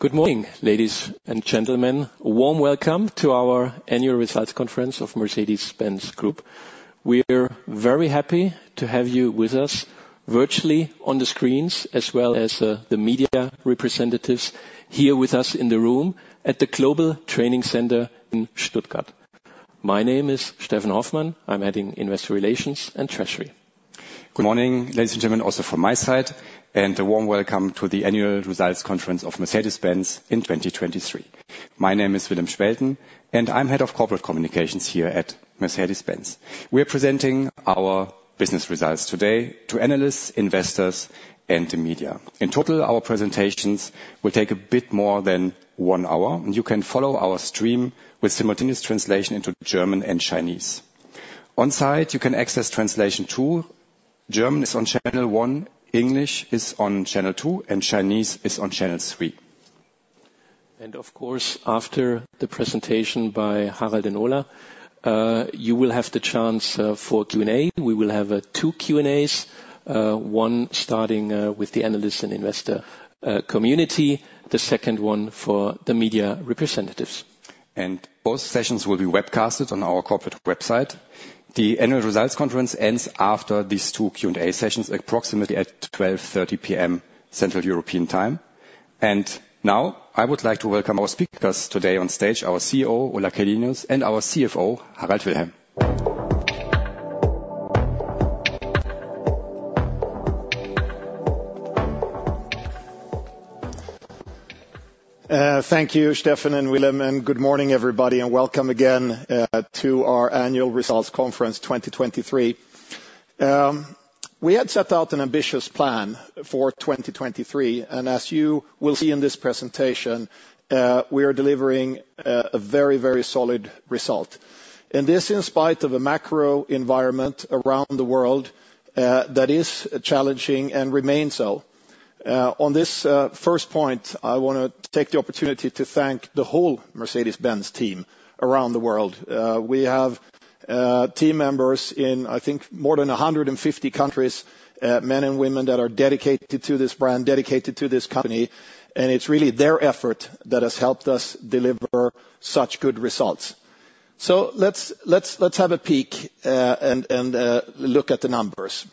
Good morning, ladies and gentlemen. A warm welcome to our annual results conference of Mercedes-Benz Group. We're very happy to have you with us virtually on the screens, as well as, the media representatives here with us in the room at the Global Training Center in Stuttgart. My name is Steffen Hoffmann. I'm Head of Investor Relations and Treasury. Good morning, ladies and gentlemen, also from my side, and a warm welcome to the annual results conference of Mercedes-Benz in 2023. My name is Willem Spelten, and I'm head of Corporate Communications here at Mercedes-Benz. We are presenting our business results today to analysts, investors, and the media. In total, our presentations will take a bit more than 1 hour, and you can follow our stream with simultaneous translation into German and Chinese. On-site, you can access translation, too. German is on channel 1, English is on channel 2, and Chinese is on channel 3. Of course, after the presentation by Harald and Ola, you will have the chance for Q&A. We will have two Q&As, one starting with the analyst and investor community, the second one for the media representatives. Both sessions will be webcasted on our corporate website. The annual results conference ends after these two Q&A sessions, approximately at 12:30 P.M., Central European Time. And now, I would like to welcome our speakers today on stage, our CEO, Ola Källenius, and our CFO, Harald Wilhelm. Thank you, Steffen and Willem, and good morning, everybody, and welcome again to our Annual Results Conference 2023. We had set out an ambitious plan for 2023, and as you will see in this presentation, we are delivering a very, very solid result. This in spite of a macro environment around the world that is challenging and remains so. On this first point, I wanna take the opportunity to thank the whole Mercedes-Benz team around the world. We have team members in, I think, more than 150 countries, men and women that are dedicated to this brand, dedicated to this company, and it's really their effort that has helped us deliver such good results. So let's have a peek and look at the numbers.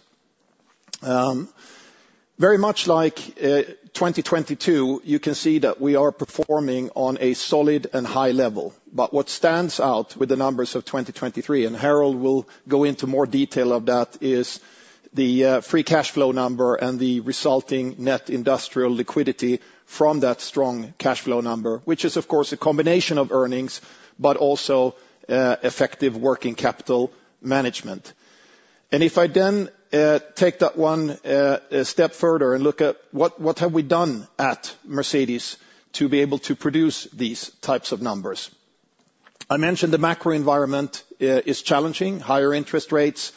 Very much like 2022, you can see that we are performing on a solid and high level. But what stands out with the numbers of 2023, and Harald will go into more detail of that, is the free cash flow number and the resulting net industrial liquidity from that strong cash flow number, which is, of course, a combination of earnings, but also effective working capital management. And if I then take that one a step further and look at what have we done at Mercedes to be able to produce these types of numbers? I mentioned the macro environment is challenging: higher interest rates,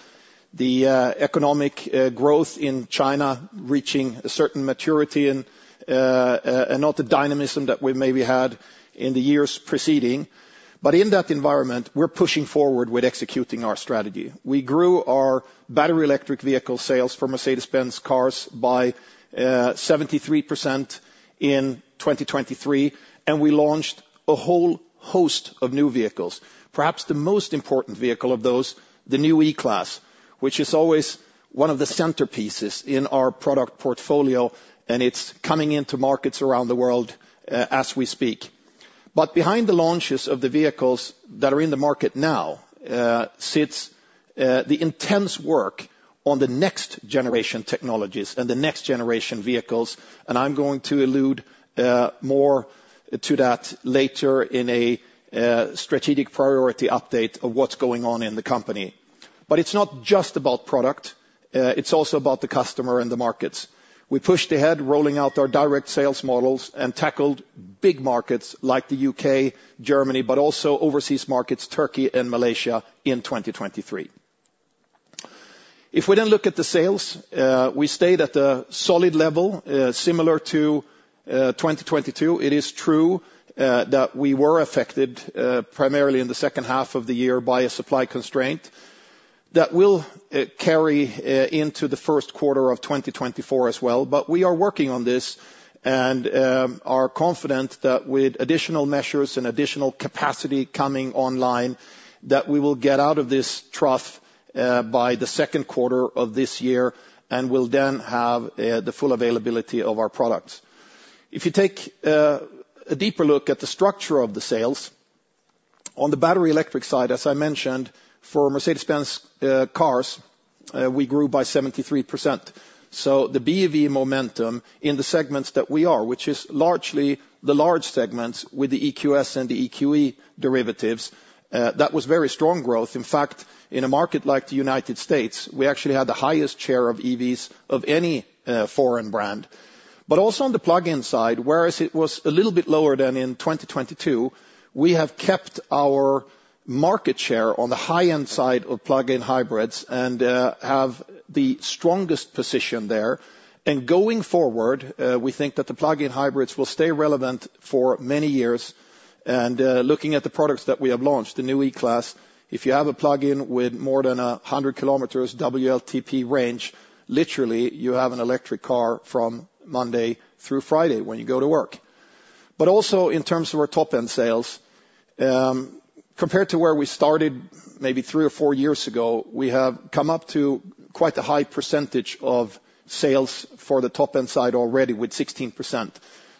economic growth in China reaching a certain maturity and not the dynamism that we maybe had in the years preceding. But in that environment, we're pushing forward with executing our strategy. We grew our battery electric vehicle sales for Mercedes-Benz Cars by 73% in 2023, and we launched a whole host of new vehicles. Perhaps the most important vehicle of those, the new E-Class, which is always one of the centerpieces in our product portfolio, and it's coming into markets around the world, as we speak. But behind the launches of the vehicles that are in the market now, sits the intense work on the next-generation technologies and the next-generation vehicles, and I'm going to allude more to that later in a strategic priority update of what's going on in the company. But it's not just about product, it's also about the customer and the markets. We pushed ahead, rolling out our direct sales models and tackled big markets like the UK, Germany, but also overseas markets, Turkey and Malaysia, in 2023. If we then look at the sales, we stayed at a solid level, similar to, 2022. It is true, that we were affected, primarily in the second half of the year, by a supply constraint. That will, carry, into the first quarter of 2024 as well, but we are working on this and, are confident that with additional measures and additional capacity coming online, that we will get out of this trough, by the second quarter of this year and will then have, the full availability of our products. If you take a deeper look at the structure of the sales, on the battery electric side, as I mentioned, for Mercedes-Benz Cars, we grew by 73%. So the BEV momentum in the segments that we are, which is largely the large segments with the EQS and the EQE derivatives, that was very strong growth. In fact, in a market like the United States, we actually had the highest share of EVs of any foreign brand. But also on the plug-in side, whereas it was a little bit lower than in 2022, we have kept our market share on the high-end side of plug-in hybrids and have the strongest position there. And going forward, we think that the plug-in hybrids will stay relevant for many years.... Looking at the products that we have launched, the new E-Class, if you have a plug-in with more than 100 km WLTP range, literally, you have an electric car from Monday through Friday when you go to work. But also, in terms of our top-end sales, compared to where we started maybe three or four years ago, we have come up to quite a high percentage of sales for the top-end side already, with 16%.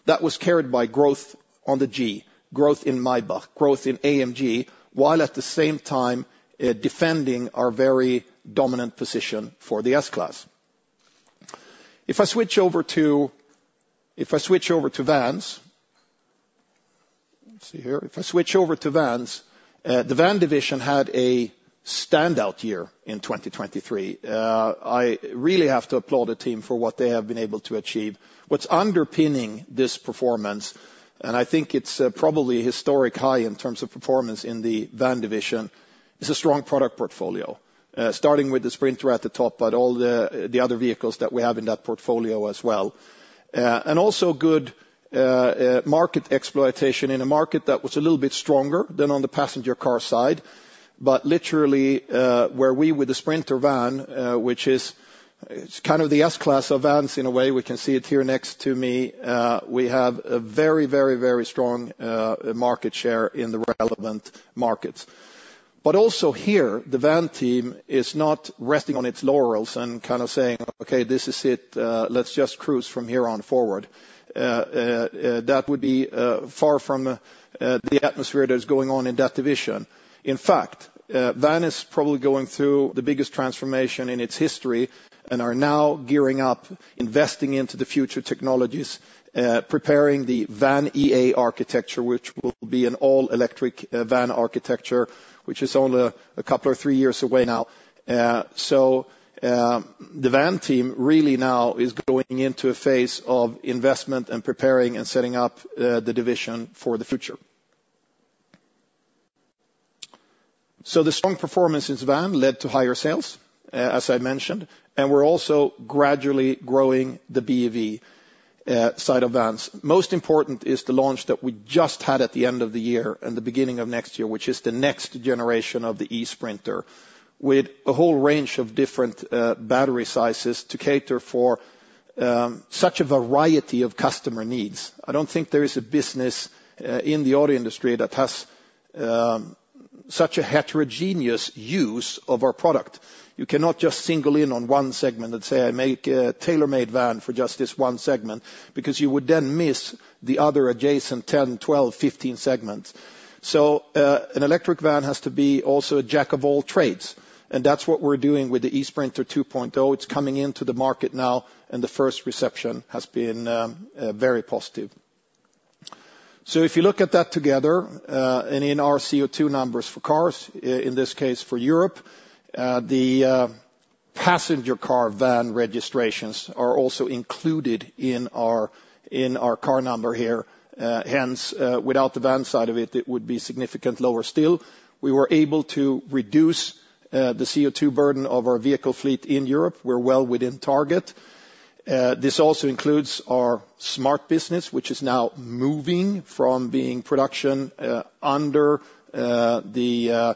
That was carried by growth on the G, growth in Maybach, growth in AMG, while at the same time, defending our very dominant position for the S-Class. If I switch over to Vans, the van division had a standout year in 2023. I really have to applaud the team for what they have been able to achieve. What's underpinning this performance, and I think it's probably a historic high in terms of performance in the van division, is a strong product portfolio. Starting with the Sprinter at the top, but all the other vehicles that we have in that portfolio as well. And also good market exploitation in a market that was a little bit stronger than on the passenger car side. But literally, where we with the Sprinter van, which is, it's kind of the S-Class of Vans in a way, we can see it here next to me, we have a very, very, very strong market share in the relevant markets. But also here, the van team is not resting on its laurels and kind of saying, "Okay, this is it, let's just cruise from here on forward." That would be far from the atmosphere that is going on in that division. In fact, van is probably going through the biggest transformation in its history, and are now gearing up, investing into the future technologies, preparing the VAN.EA architecture, which will be an all-electric van architecture, which is only a couple or three years away now. So, the van team really now is going into a phase of investment, and preparing, and setting up, the division for the future. So the strong performance in van led to higher sales, as I mentioned, and we're also gradually growing the BEV side of Vans. Most important is the launch that we just had at the end of the year and the beginning of next year, which is the next generation of the eSprinter, with a whole range of different, battery sizes to cater for, such a variety of customer needs. I don't think there is a business, in the auto industry that has, such a heterogeneous use of our product. You cannot just single in on one segment and say, I make a tailor-made van for just this one segment, because you would then miss the other adjacent 10, 12, 15 segments. So, an electric van has to be also a jack of all trades, and that's what we're doing with the eSprinter 2.0. It's coming into the market now, and the first reception has been, very positive. So if you look at that together, and in our CO2 numbers for cars, in this case, for Europe, the passenger car van registrations are also included in our car number here. Hence, without the van side of it, it would be significant lower still. We were able to reduce the CO2 burden of our vehicle fleet in Europe. We're well within target. This also includes our smart business, which is now moving from being production under the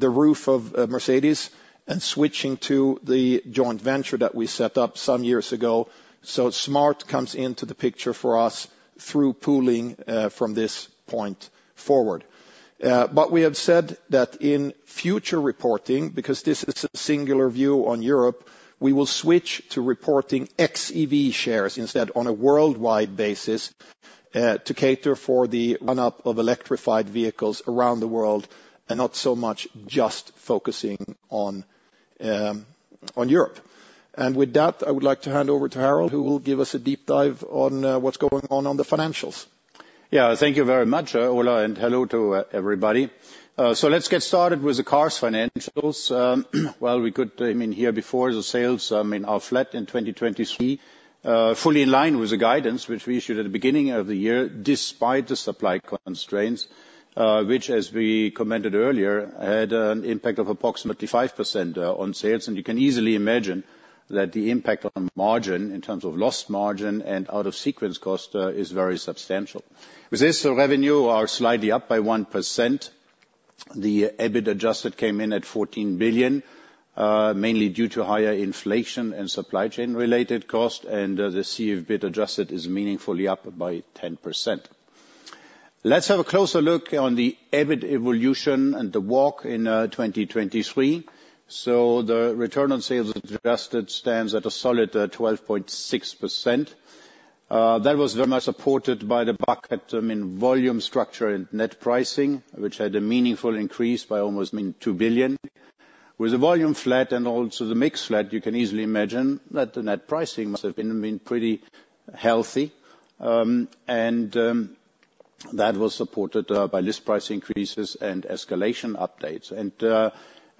roof of Mercedes, and switching to the joint venture that we set up some years ago. So smart comes into the picture for us through pooling from this point forward. But we have said that in future reporting, because this is a singular view on Europe, we will switch to reporting xEV shares instead on a worldwide basis, to cater for the run-up of electrified vehicles around the world, and not so much just focusing on on Europe. And with that, I would like to hand over to Harald, who will give us a deep dive on what's going on on the financials. Yeah. Thank you very much, Ola, and hello to everybody. So let's get started with the cars financials. Well, we could, I mean, here before, the sales, I mean, are flat in 2023, fully in line with the guidance which we issued at the beginning of the year, despite the supply constraints, which, as we commented earlier, had an impact of approximately 5%, on sales. And you can easily imagine that the impact on margin, in terms of lost margin and out-of-sequence cost, is very substantial. With this, revenue are slightly up by 1%. The EBIT adjusted came in at 14 billion, mainly due to higher inflation and supply chain-related cost, and the CFBIT adjusted is meaningfully up by 10%. Let's have a closer look on the EBIT evolution and the walk in 2023. So the return on sales adjusted stands at a solid 12.6%. That was very much supported by the bucket, I mean, volume structure and net pricing, which had a meaningful increase by almost, I mean, 2 billion. With the volume flat and also the mix flat, you can easily imagine that the net pricing must have been pretty healthy. And that was supported by list price increases and escalation updates. And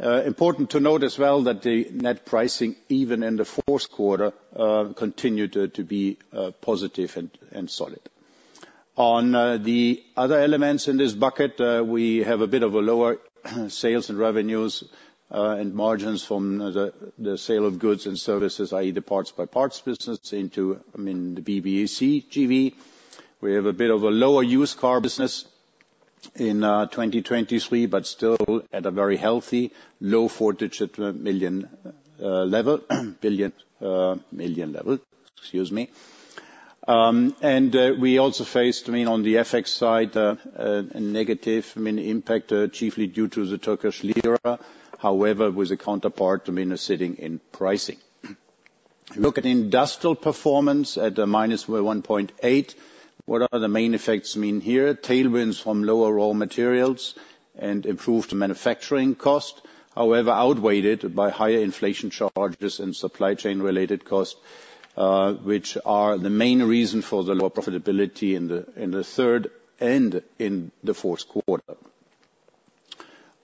important to note as well, that the net pricing, even in the fourth quarter, continued to be positive and solid. On the other elements in this bucket, we have a bit of a lower sales and revenues and margins from the sale of goods and services, i.e., the parts business into, I mean, the BBAC JV. We have a bit of a lower used car business in 2023, but still at a very healthy, low four-digit million level. Billion, million level, excuse me. And we also faced, I mean, on the FX side, a negative impact, chiefly due to the Turkish lira. However, with a counterpart, I mean, sitting in pricing. You look at industrial performance at the -1.8. What are the main effects, I mean, here? Tailwinds from lower raw materials and improved manufacturing cost, however, outweighed by higher inflation charges and supply chain-related costs, which are the main reason for the lower profitability in the third and the fourth quarter.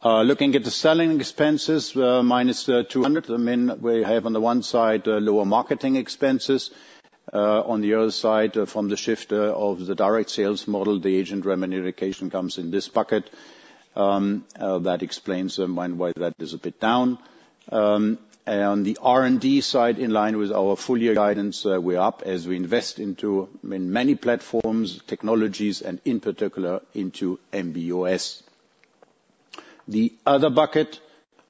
Looking at the selling expenses, minus 200, I mean, we have, on the one side, lower marketing expenses. On the other side, from the shift of the direct sales model, the agent remuneration comes in this bucket. That explains why that is a bit down. And on the R&D side, in line with our full year guidance, we're up as we invest into, I mean, many platforms, technologies, and in particular, into MB.OS. The other bucket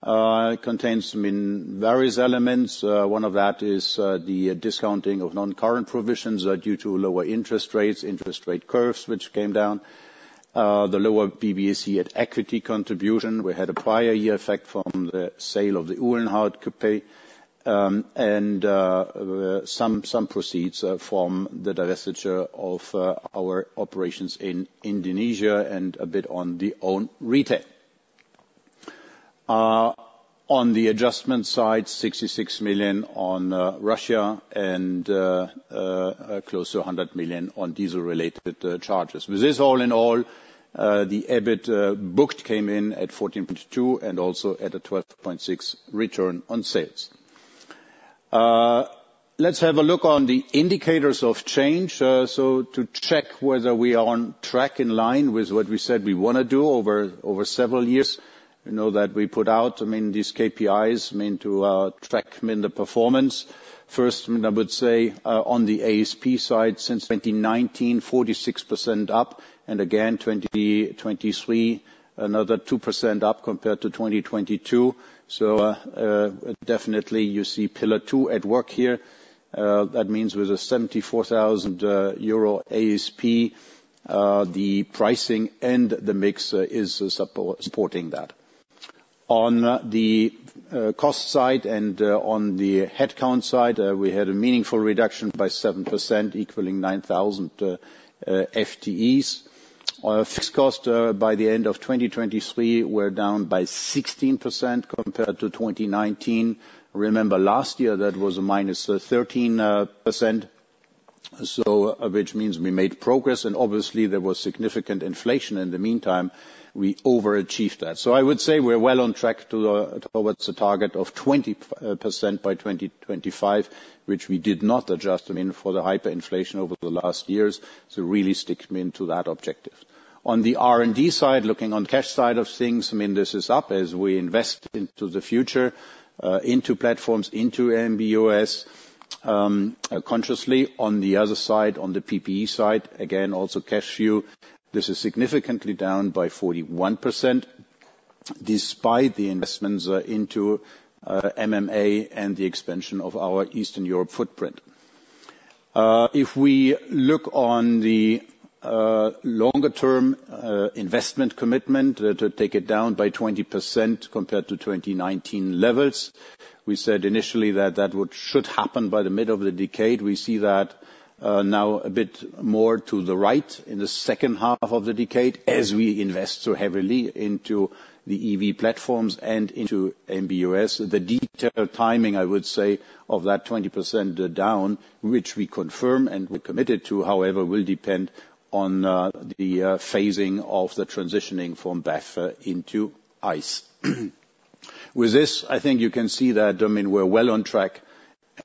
contains, I mean, various elements. One of that is the discounting of non-current provisions due to lower interest rates, interest rate curves, which came down. The lower BBAC at-equity contribution, we had a prior year effect from the sale of the Uhlenhaut Coupé, and some proceeds from the divestiture of our operations in Indonesia and a bit on the own retail. On the adjustment side, 66 million on Russia and close to 100 million on diesel-related charges. With this, all in all, the EBIT booked came in at 14.2 billion, and also at a 12.6% return on sales. Let's have a look on the indicators of change. So to check whether we are on track, in line with what we said we wanna do over several years, you know that we put out, I mean, these KPIs mean to track, I mean, the performance. First, I would say, on the ASP side, since 2019, 46% up, and again, 2023, another 2% up compared to 2022. So, definitely you see pillar two at work here. That means with a 74,000 euro ASP, the pricing and the mix is supporting that. On the cost side and on the headcount side, we had a meaningful reduction by 7%, equaling 9,000 FTEs. Our fixed cost by the end of 2023 were down by 16% compared to 2019. Remember, last year, that was a -13%, so which means we made progress, and obviously, there was significant inflation in the meantime, we overachieved that. So I would say we're well on track towards the target of 20% by 2025, which we did not adjust, I mean, for the hyperinflation over the last years, so really sticking to that objective. On the R&D side, looking on cash side of things, I mean, this is up as we invest into the future, into platforms, into MB.OS, consciously. On the other side, on the PPE side, again, also cash view, this is significantly down by 41%, despite the investments into MMA and the expansion of our Eastern Europe footprint. If we look on the longer term investment commitment to take it down by 20% compared to 2019 levels, we said initially that that would should happen by the middle of the decade. We see that now a bit more to the right in the second half of the decade, as we invest so heavily into the EV platforms and into MB.OS. The detailed timing, I would say, of that 20% down, which we confirm and we're committed to, however, will depend on the phasing of the transitioning from BEV into ICE. With this, I think you can see that, I mean, we're well on track,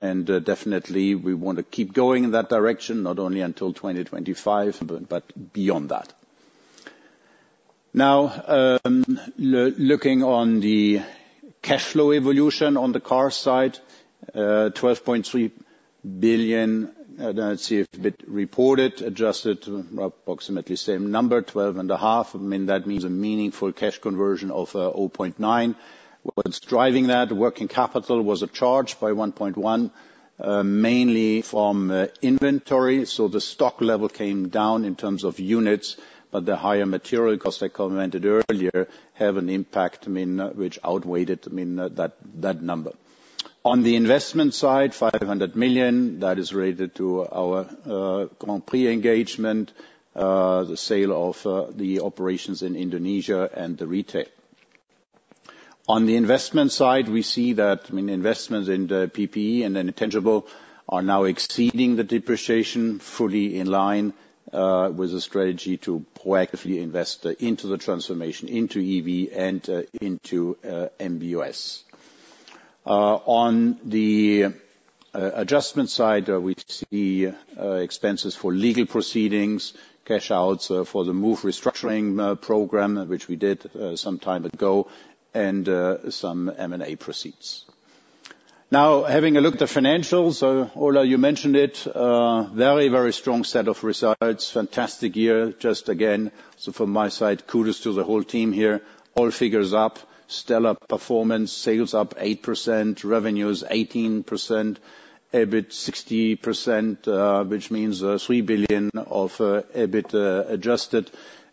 and definitely we want to keep going in that direction, not only until 2025, but beyond that. Now, looking on the cash flow evolution on the car side, 12.3 billion, let's see, a bit reported, adjusted, approximately same number, 12.5 billion. I mean, that means a meaningful cash conversion of 0.9. What's driving that? Working capital was a charge by 1.1 billion, mainly from inventory, so the stock level came down in terms of units, but the higher material costs I commented earlier have an impact, I mean, which outweighed it, I mean, that, that number. On the investment side, 500 million, that is related to our Grand Prix engagement, the sale of the operations in Indonesia and the retail. On the investment side, we see that, I mean, investments in the PPE and then tangible are now exceeding the depreciation, fully in line with the strategy to proactively invest into the transformation, into EV and into MB.OS. On the adjustment side, we see expenses for legal proceedings, cash outs for the MOVE restructuring program, which we did some time ago, and some M&A proceeds. Now, having a look at the financials, Ola, you mentioned it, a very, very strong set of results. Fantastic year, just again. So from my side, kudos to the whole team here. All figures up, stellar performance, sales up 8%, revenues 18%, EBIT 60%, which means three billion of EBIT adjusted.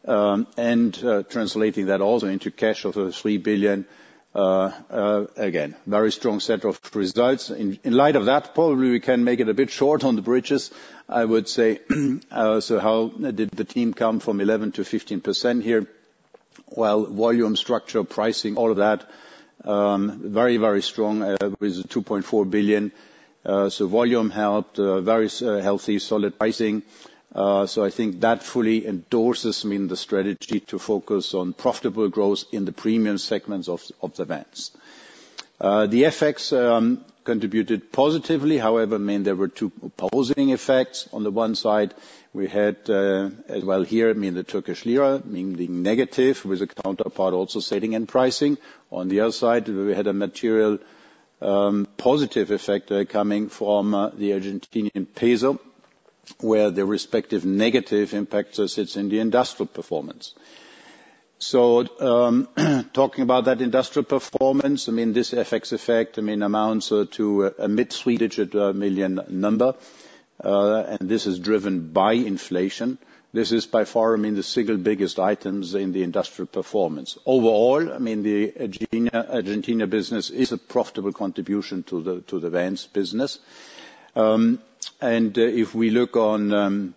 And translating that also into cash of three billion. Again, very strong set of results. In light of that, probably we can make it a bit short on the bridges, I would say. So how did the team come from 11%-15% here? Well, volume, structure, pricing, all of that, very, very strong, with a 2.4 billion. So volume helped, various, healthy, solid pricing. So I think that fully endorses, I mean, the strategy to focus on profitable growth in the premium segments of, of the vans. The FX contributed positively. However, I mean, there were two opposing effects. On the one side, we had, as well here, I mean, the Turkish lira, meaning negative, with a counterpart also setting in pricing. On the other side, we had a material, positive effect, coming from, the Argentine peso, where the respective negative impact sits in the industrial performance. So, talking about that industrial performance, I mean, this FX effect, I mean, amounts to a mid-three-digit million EUR number, and this is driven by inflation. This is by far, I mean, the single biggest items in the industrial performance. Overall, I mean, the Argentina, Argentina business is a profitable contribution to the, to the Vans business. And if we look on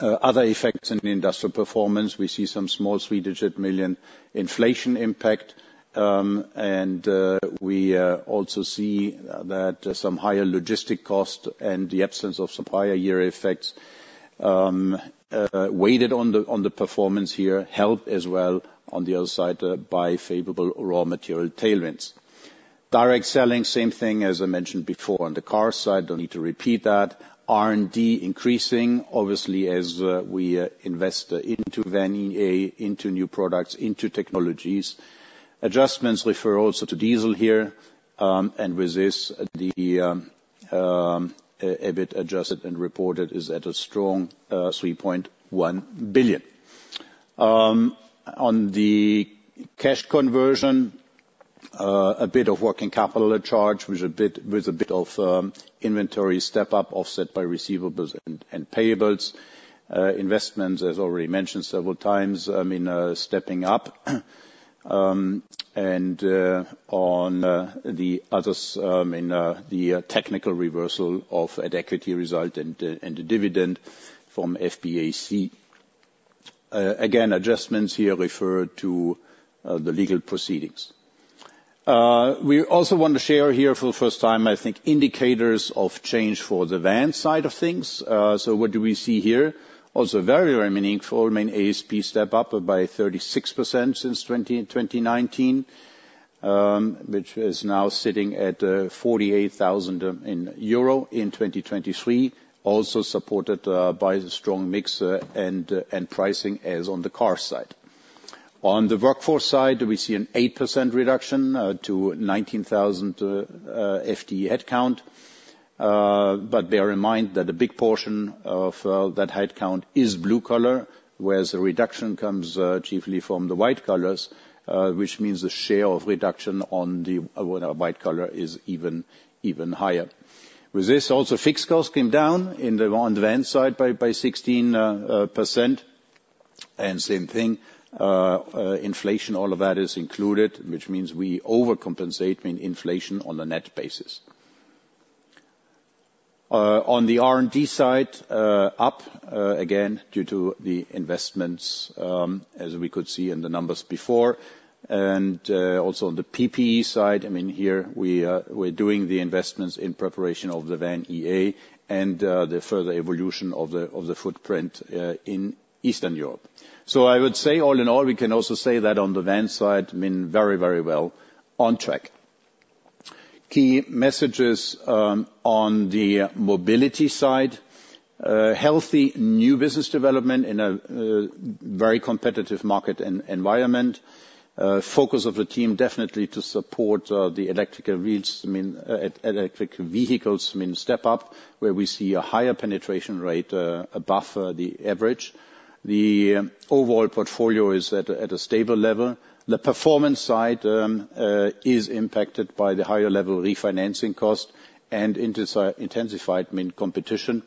other effects in the industrial performance, we see some small three-digit million EUR inflation impact, and we also see that some higher logistics costs and the absence of some prior year effects weighed on the performance here, helped as well, on the other side, by favorable raw material tailwinds. Direct selling, same thing as I mentioned before, on the car side, no need to repeat that. R&D increasing, obviously, as we invest into VAN.EA, into new products, into technologies. Adjustments refer also to diesel here, and with this, the EBIT adjusted and reported is at a strong 3.1 billion EUR. On the cash conversion, a bit of working capital charge, with a bit of inventory step up, offset by receivables and payables. Investments, as already mentioned several times, I mean, stepping up. And on the others, in the technical reversal of at equity result and the dividend from FBAC. Again, adjustments here refer to the legal proceedings. We also want to share here for the first time, I think, indicators of change for the van side of things. So what do we see here? Also, very, very meaningful, I mean, ASP step up by 36% since 2019, which is now sitting at 48,000 euro in 2023, also supported by the strong mix and pricing as on the car side. On the workforce side, we see an 8% reduction to 19,000 FTE headcount. But bear in mind that a big portion of that headcount is blue collar, whereas the reduction comes chiefly from the white collars, which means the share of reduction on the white collar is even higher. With this, also, fixed costs came down in the van, on the van side by 16%. And same thing, inflation, all of that is included, which means we overcompensate in inflation on a net basis. On the R&D side, up again due to the investments, as we could see in the numbers before, and also on the PPE side, I mean, here we're doing the investments in preparation of the VAN.EA and the further evolution of the footprint in Eastern Europe. So I would say, all in all, we can also say that on the van side, I mean, very, very well on track. Key messages on the Mobility side, healthy new business development in a very competitive market environment. Focus of the team, definitely to support the electrical wheels, I mean, electric vehicles, I mean, step up, where we see a higher penetration rate above the average. The overall portfolio is at a stable level. The performance side is impacted by the higher level refinancing costs and intensified, I mean, competition.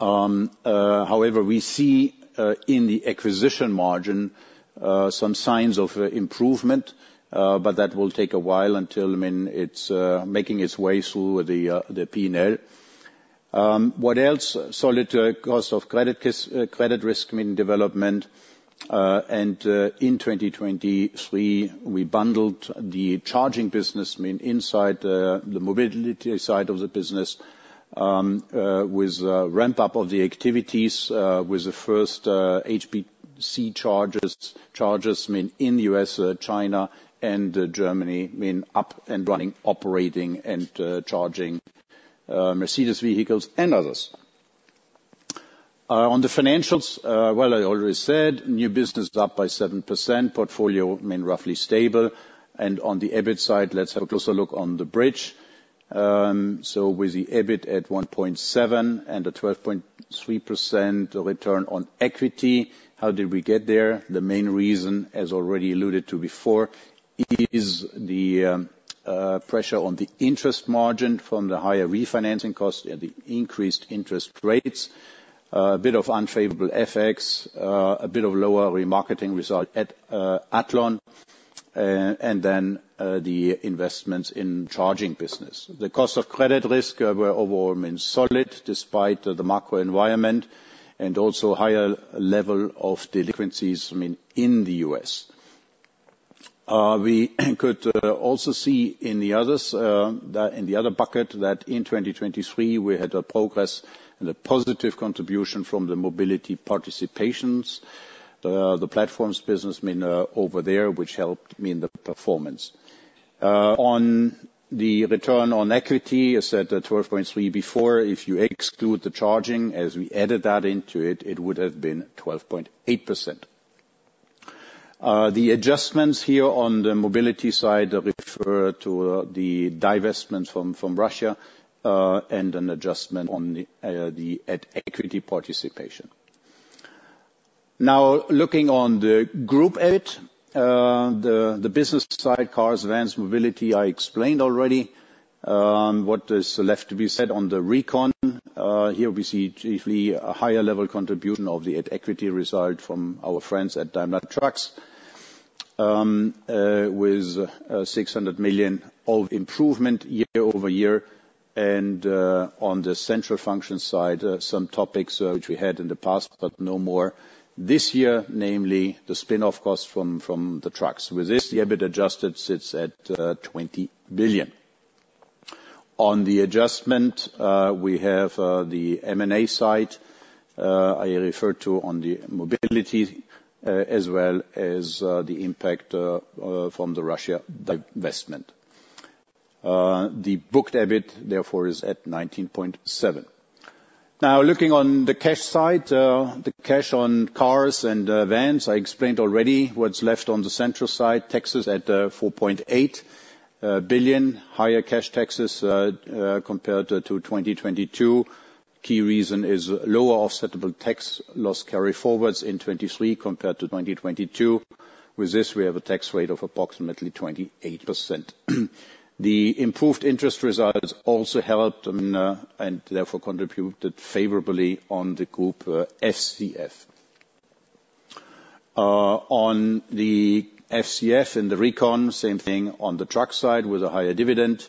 However, we see in the acquisition margin some signs of improvement, but that will take a while until, I mean, it's making its way through the the P&L. What else? Solid cost of credit credit risk, I mean, development. And in 2023, we bundled the charging business, I mean, inside the Mobility side of the business, with ramp-up of the activities with the first HPC chargers, chargers, I mean, in U.S., China, and Germany, I mean, up and running, operating, and charging Mercedes vehicles and others. On the financials, well, I already said, new business is up by 7%, portfolio remain roughly stable. On the EBIT side, let's have a closer look on the bridge. So with the EBIT at 1.7 and a 12.3% return on equity, how did we get there? The main reason, as already alluded to before, is the pressure on the interest margin from the higher refinancing costs and the increased interest rates. A bit of unfavorable FX, a bit of lower remarketing result at Athlon, and then the investments in charging business. The cost of credit risk were overall remain solid despite the macro environment, and also higher level of delinquencies, I mean, in the U.S. We could also see in the others, that in 2023 we had a progress and a positive contribution from the Mobility participations. The platforms business mean over there, which helped mean the performance. On the return on equity, I said at 12.3 before, if you exclude the charging, as we added that into it, it would have been 12.8%. The adjustments here on the Mobility side refer to the divestment from Russia and an adjustment on the at equity participation. Now, looking on the group EBIT, the business side, Cars, Vans, Mobility, I explained already. What is left to be said on the recon, here we see chiefly a higher level contribution of the at equity result from our friends at Daimler Trucks with 600 million of improvement year-over-year. And on the central function side, some topics which we had in the past, but no more. This year, namely, the spin-off costs from the trucks. With this, the EBIT adjusted sits at 20 billion. On the adjustment, we have the M&A side, I referred to on the Mobility, as well as the impact from the Russia divestment. The booked EBIT, therefore, is at 19.7 billion. Now, looking on the cash side, the cash on Cars and Vans, I explained already what's left on the central side, taxes at 4.8 billion. Higher cash taxes compared to 2022. Key reason is lower offsetable tax loss carry-forwards in 2023 compared to 2022. With this, we have a tax rate of approximately 28%. The improved interest results also helped and therefore contributed favorably on the group FCF. On the FCF and the recon, same thing on the truck side, with a higher dividend,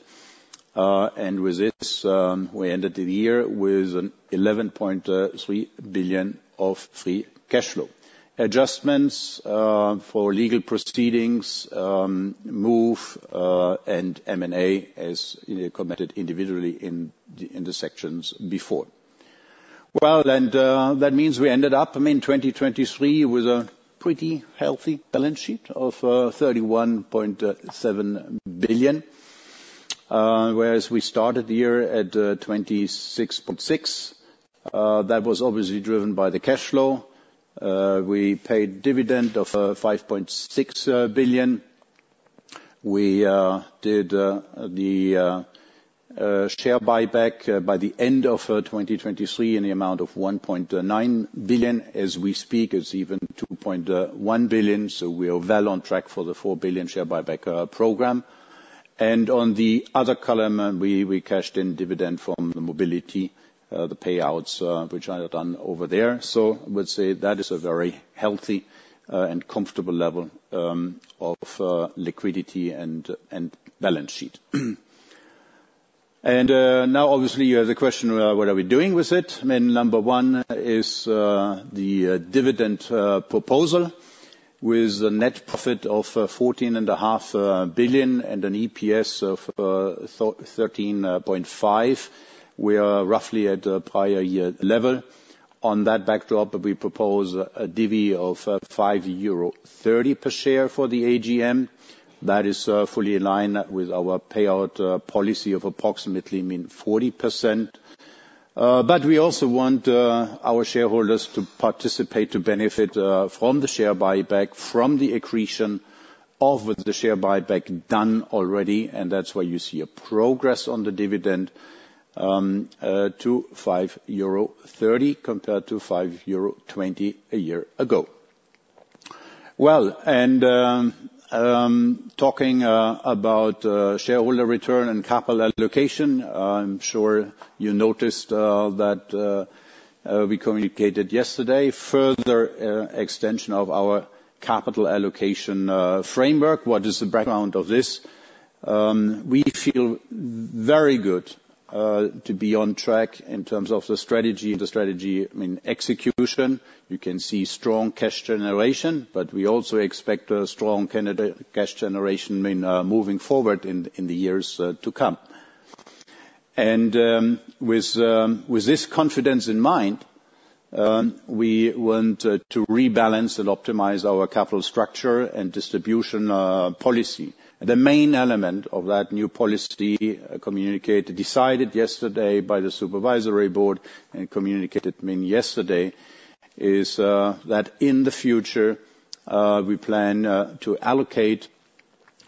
and with this, we ended the year with 11.3 billion of free cash flow. Adjustments for legal proceedings, MOVE, and M&A, as you know, committed individually in the sections before. Well, and that means we ended up, I mean, 2023 with a pretty healthy balance sheet of 31.7 billion, whereas we started the year at 26.6 billion. That was obviously driven by the cash flow. We paid dividend of 5.6 billion. We did the share buyback by the end of 2023 in the amount of 1.9 billion. As we speak, it's even 2.1 billion, so we are well on track for the 4 billion share buyback program. On the other column, we cashed in dividend from the Mobility, the payouts, which I have done over there. So I would say that is a very healthy and comfortable level of liquidity and balance sheet. Now, obviously, you have the question, what are we doing with it? I mean, number one is the dividend proposal. With a net profit of 14.5 billion and an EPS of 13.5, we are roughly at the prior year level. On that backdrop, we propose a divvy of EUR 5.30 per share for the AGM. That is fully in line with our payout policy of approximately, I mean, 40%. But we also want our shareholders to participate, to benefit from the share buyback, from the accretion of the share buyback done already, and that's why you see a progress on the dividend to 5.30 euro compared to 5.20 euro a year ago. Well, talking about shareholder return and capital allocation, I'm sure you noticed that we communicated yesterday further extension of our capital allocation framework. What is the background of this? We feel very good to be on track in terms of the strategy, the strategy, I mean, execution. You can see strong cash generation, but we also expect a strong candidate cash generation, I mean, moving forward in the years to come. And, with this confidence in mind, we want to rebalance and optimize our capital structure and distribution policy. The main element of that new policy, communicated, decided yesterday by the Supervisory Board and communicated, I mean, yesterday, is that in the future we plan to allocate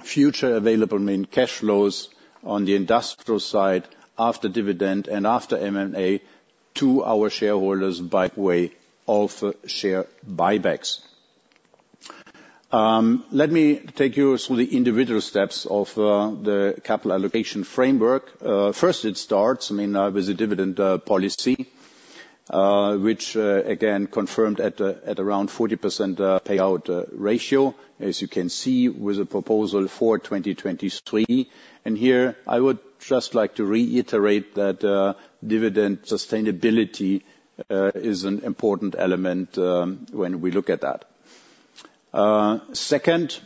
future available mean cash flows on the industrial side after dividend and after M&A to our shareholders by way of share buybacks. Let me take you through the individual steps of the capital allocation framework. First, it starts, I mean, with the dividend policy, which, again, confirmed at around 40% payout ratio, as you can see, with a proposal for 2023. And here, I would just like to reiterate that, dividend sustainability is an important element, when we look at that. Second,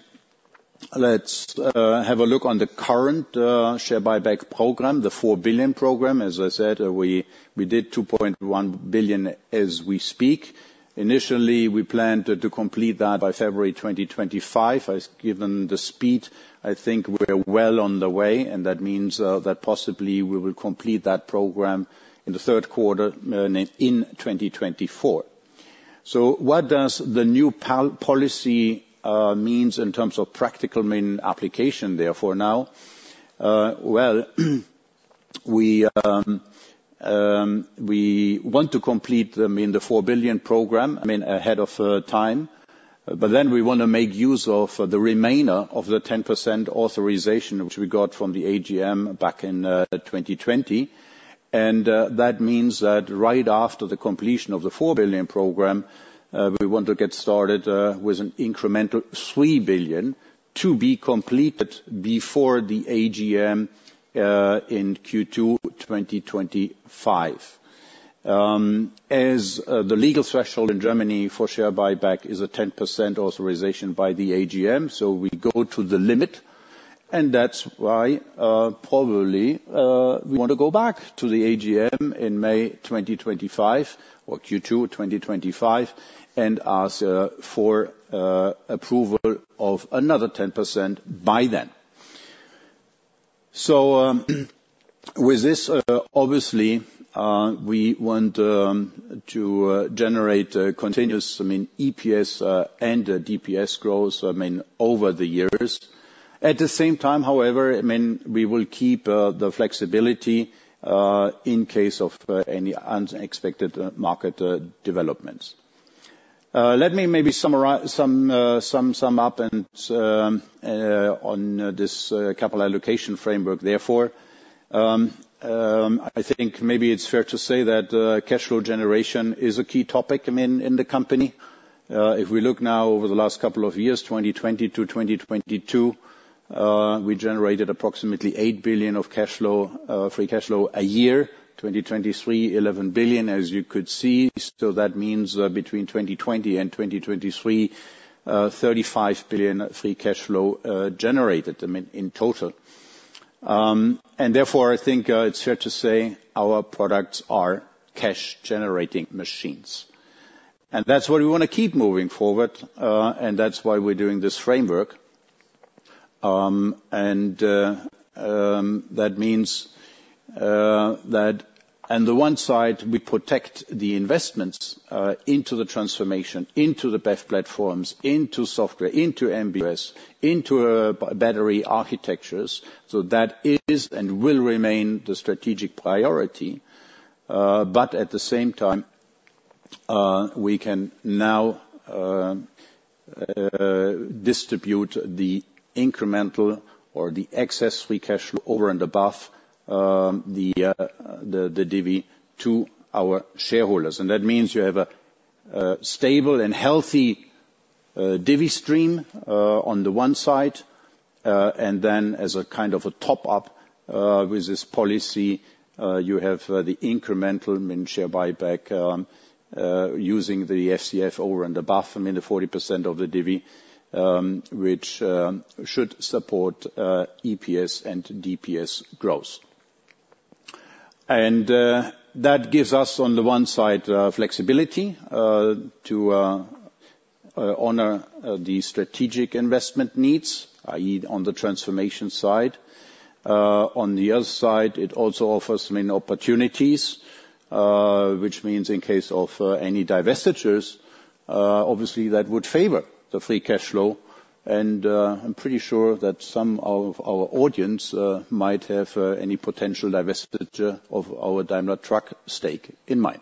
let's have a look on the current share buyback program, the 4 billion program. As I said, we, we did 2.1 billion as we speak. Initially, we planned to, to complete that by February 2025. As given the speed, I think we're well on the way, and that means, that possibly we will complete that program in the third quarter, in 2024. So what does the new policy means in terms of practical mean application therefore now? Well, we want to complete, I mean, the 4 billion program, I mean, ahead of time. But then we want to make use of the remainder of the 10% authorization, which we got from the AGM back in 2020. And that means that right after the completion of the 4 billion program, we want to get started with an incremental 3 billion to be completed before the AGM in Q2 2025. As the legal threshold in Germany for share buyback is a 10% authorization by the AGM, so we go to the limit, and that's why, probably, we want to go back to the AGM in May 2025 or Q2 2025, and ask for approval of another 10% by then. With this, obviously, we want to generate a continuous, I mean, EPS and DPS growth, I mean, over the years. At the same time, however, I mean, we will keep the flexibility in case of any unexpected market developments. Let me maybe sum up and on this capital allocation framework therefore. I think maybe it's fair to say that cash flow generation is a key topic, I mean, in the company. If we look now over the last couple of years, 2020 to 2022, we generated approximately 8 billion free cash flow a year. 2023, 11 billion, as you could see. So that means, between 2020 and 2023, 35 billion free cash flow, generated, I mean, in total. Therefore, I think, it's fair to say our products are cash-generating machines. That's where we want to keep moving forward, and that's why we're doing this framework. That means, that on the one side, we protect the investments, into the transformation, into the BEV platforms, into software, into MB.OS, into, battery architectures. So that is, and will remain, the strategic priority. But at the same time, we can now, distribute the incremental or the excess free cash flow over and above, the, the, the divvy to our shareholders. And that means you have a, a stable and healthy, divvy stream, on the one side. And then as a kind of a top-up, with this policy, you have the incremental mean share buyback using the FCF over and above, I mean, the 40% of the divvy, which should support EPS and DPS growth. That gives us, on the one side, flexibility to honor the strategic investment needs, i.e., on the transformation side. On the other side, it also offers many opportunities, which means in case of any divestitures, obviously that would favor the free cash flow. I'm pretty sure that some of our audience might have any potential divestiture of our Daimler Truck stake in mind.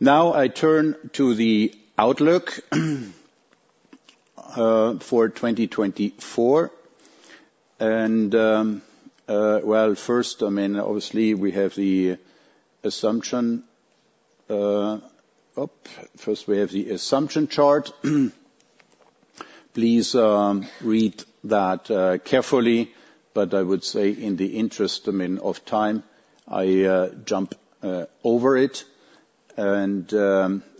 Now, I turn to the outlook for 2024. Well, first, I mean, obviously, we have the assumption. First, we have the assumption chart. Please read that carefully, but I would say in the interest, I mean, of time, I jump over it. And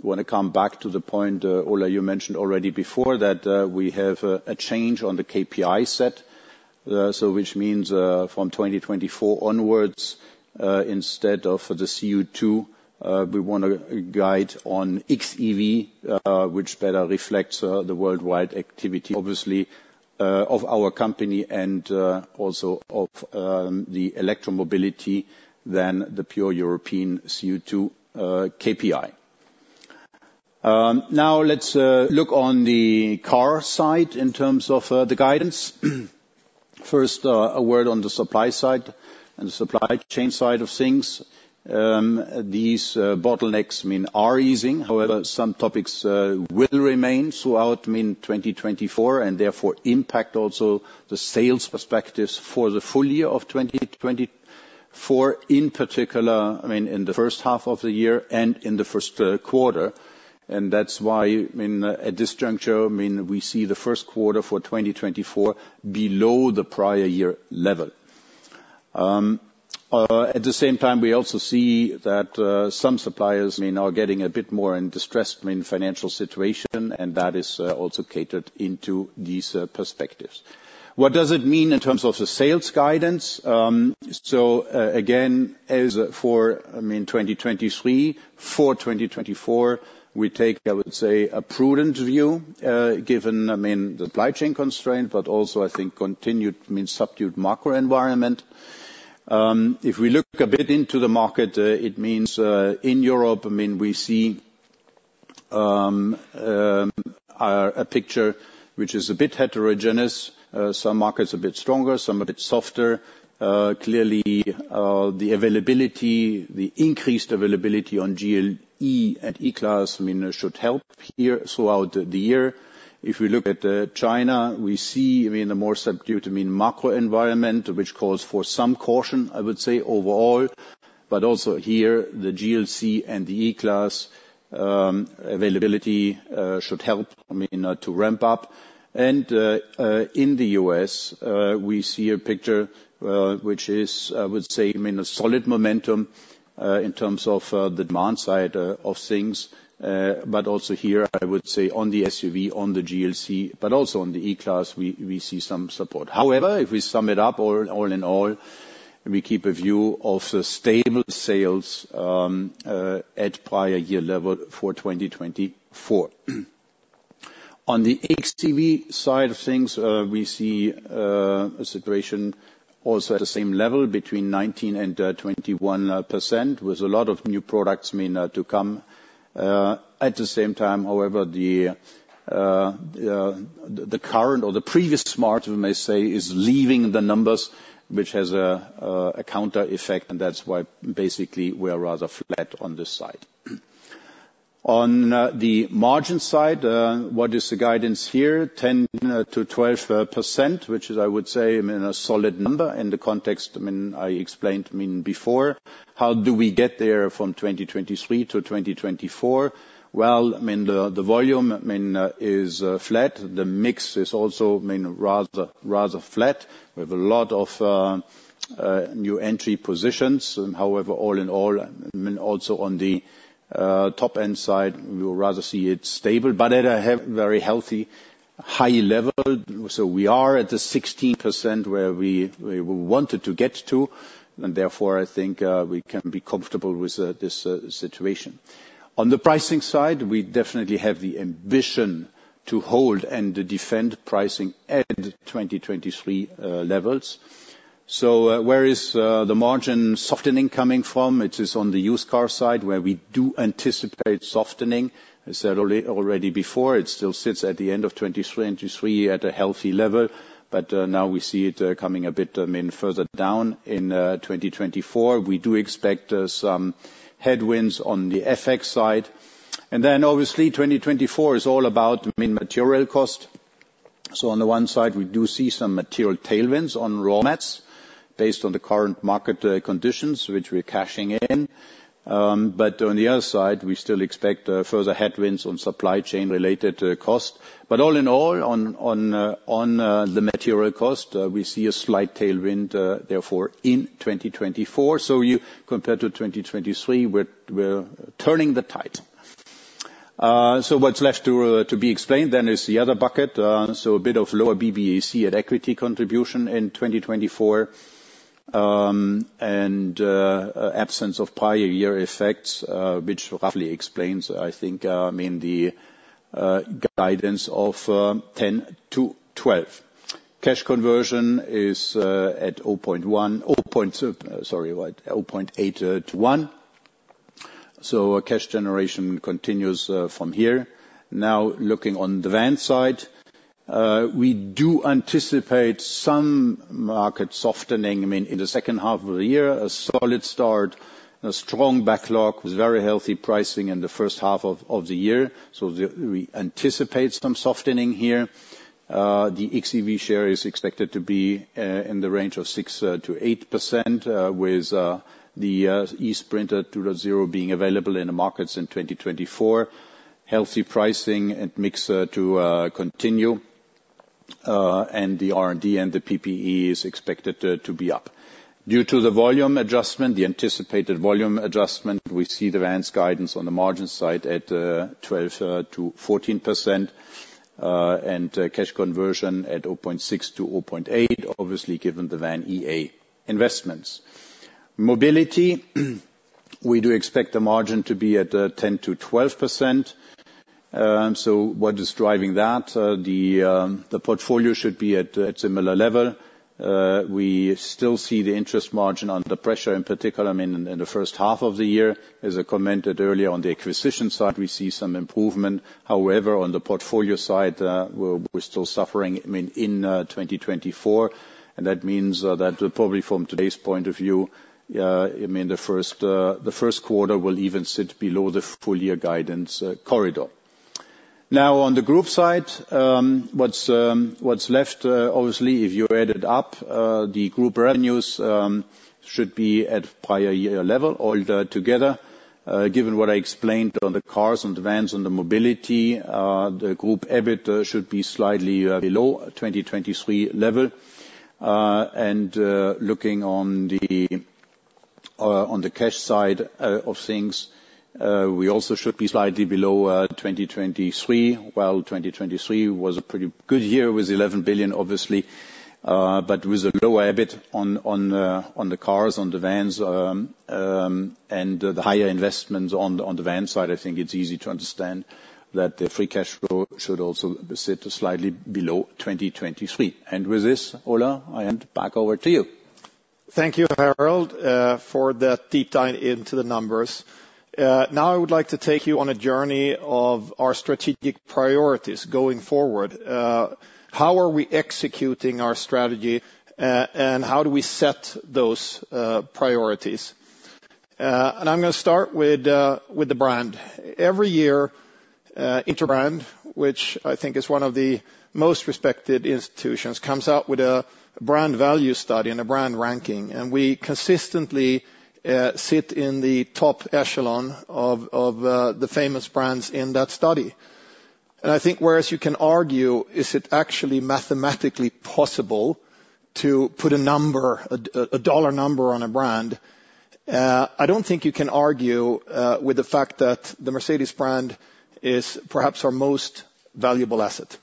want to come back to the point, Ola, you mentioned already before, that we have a change on the KPI set. So which means, from 2024 onwards, instead of the CO2, we want to guide on xEV, which better reflects the worldwide activity. Obviously of our company and also of the electro mobility than the pure European CO2 KPI. Now let's look on the car side in terms of the guidance. First, a word on the supply side and the supply chain side of things. These bottlenecks, I mean, are easing. However, some topics will remain throughout, I mean, 2024, and therefore impact also the sales perspectives for the full year of 2024, in particular, I mean, in the first half of the year and in the first quarter. And that's why, I mean, at this juncture, I mean, we see the first quarter for 2024 below the prior year level. At the same time, we also see that some suppliers, I mean, are getting a bit more in distressed, I mean, financial situation, and that is also catered into these perspectives. What does it mean in terms of the sales guidance? So, again, as for, I mean, 2023, for 2024, we take, I would say, a prudent view, given, I mean, the supply chain constraint, but also, I think, continued, I mean, subdued macro environment. If we look a bit into the market, it means, in Europe, I mean, we see a picture which is a bit heterogeneous. Some markets a bit stronger, some a bit softer. Clearly, the availability, the increased availability on GLE and E-Class, I mean, should help here throughout the year. If we look at China, we see, I mean, a more subdued, I mean, macro environment, which calls for some caution, I would say, overall. But also here, the GLC and the E-Class, availability should help, I mean, to ramp up. And in the U.S., we see a picture, which is, I would say, I mean, a solid momentum, in terms of the demand side of things. But also here, I would say on the SUV, on the GLC, but also on the E-Class, we see some support. However, if we sum it up, all in all, we keep a view of stable sales at prior year level for 2024. On the xEV side of things, we see a situation also at the same level, between 19% and 21%, with a lot of new products, I mean, to come. At the same time, however, the current or the previous smart, we may say, is leaving the numbers, which has a counter effect, and that's why basically we are rather flat on this side. On the margin side, what is the guidance here? 10%-12%, which is, I would say, I mean, a solid number in the context, I mean, I explained, I mean, before. How do we get there from 2023 to 2024? Well, I mean, the volume, I mean, is flat. The mix is also, I mean, rather, rather flat. We have a lot of new entry positions. However, all in all, I mean, also on the top-end side, we would rather see it stable, but at a very healthy, high level. So we are at the 16% where we wanted to get to, and therefore, I think we can be comfortable with this situation. On the pricing side, we definitely have the ambition to hold and defend pricing at 2023 levels. So, where is the margin softening coming from? It is on the used car side, where we do anticipate softening. I said already before, it still sits at the end of 2023 at a healthy level, but now we see it coming a bit, I mean, further down in 2024. We do expect some headwinds on the FX side. And then, obviously, 2024 is all about, I mean, material cost. So on the one side, we do see some material tailwinds on raw mats based on the current market conditions, which we're cashing in. But on the other side, we still expect further headwinds on supply chain-related cost. But all in all, on the material cost, we see a slight tailwind therefore in 2024. So compared to 2023, we're turning the tide. So what's left to be explained then is the other bucket. So a bit of lower BBAC at equity contribution in 2024, and absence of prior year effects, which roughly explains, I think, I mean, the guidance of 10-12. Cash conversion is at 0.1, 0... Sorry, what? 0.8 to 1. So cash generation continues from here. Now, looking on the van side, we do anticipate some market softening, I mean, in the second half of the year. A solid start, a strong backlog with very healthy pricing in the first half of the year, so we anticipate some softening here. The xEV share is expected to be in the range of 6%-8%, with the eSprinter 2.0 being available in the markets in 2024. Healthy pricing and mix to continue, and the R&D and the PPE is expected to be up. Due to the volume adjustment, the anticipated volume adjustment, we see the vans guidance on the margin side at 12%-14%, and cash conversion at 0.6-0.8, obviously, given the VAN.EA investments. Mobility. We do expect the margin to be at 10%-12%. So what is driving that? The portfolio should be at similar level. We still see the interest margin under pressure, in particular, I mean, in the first half of the year. As I commented earlier, on the acquisition side, we see some improvement. However, on the portfolio side, we're still suffering, I mean, in 2024, and that means that probably from today's point of view, I mean, the first quarter will even sit below the full year guidance corridor. Now, on the group side, what's left, obviously, if you add it up, the group revenues should be at prior year level all together. Given what I explained on the Cars and Vans and the Mobility, the group EBIT should be slightly below 2023 level. And looking on the cash side of things, we also should be slightly below 2023. While 2023 was a pretty good year with 11 billion, obviously, but with a lower EBIT on the Cars, on the Vans, and the higher investments on the van side, I think it's easy to understand that the free cash flow should also sit slightly below 2023. And with this, Ola, I hand back over to you. Thank you, Harald, for that deep dive into the numbers. Now I would like to take you on a journey of our strategic priorities going forward. How are we executing our strategy, and how do we set those priorities? And I'm gonna start with the brand. Every year, Interbrand, which I think is one of the most respected institutions, comes out with a brand value study and a brand ranking, and we consistently sit in the top echelon of the famous brands in that study. And I think whereas you can argue, is it actually mathematically possible to put a number, a dollar number on a brand, I don't think you can argue with the fact that the Mercedes brand is perhaps our most valuable asset.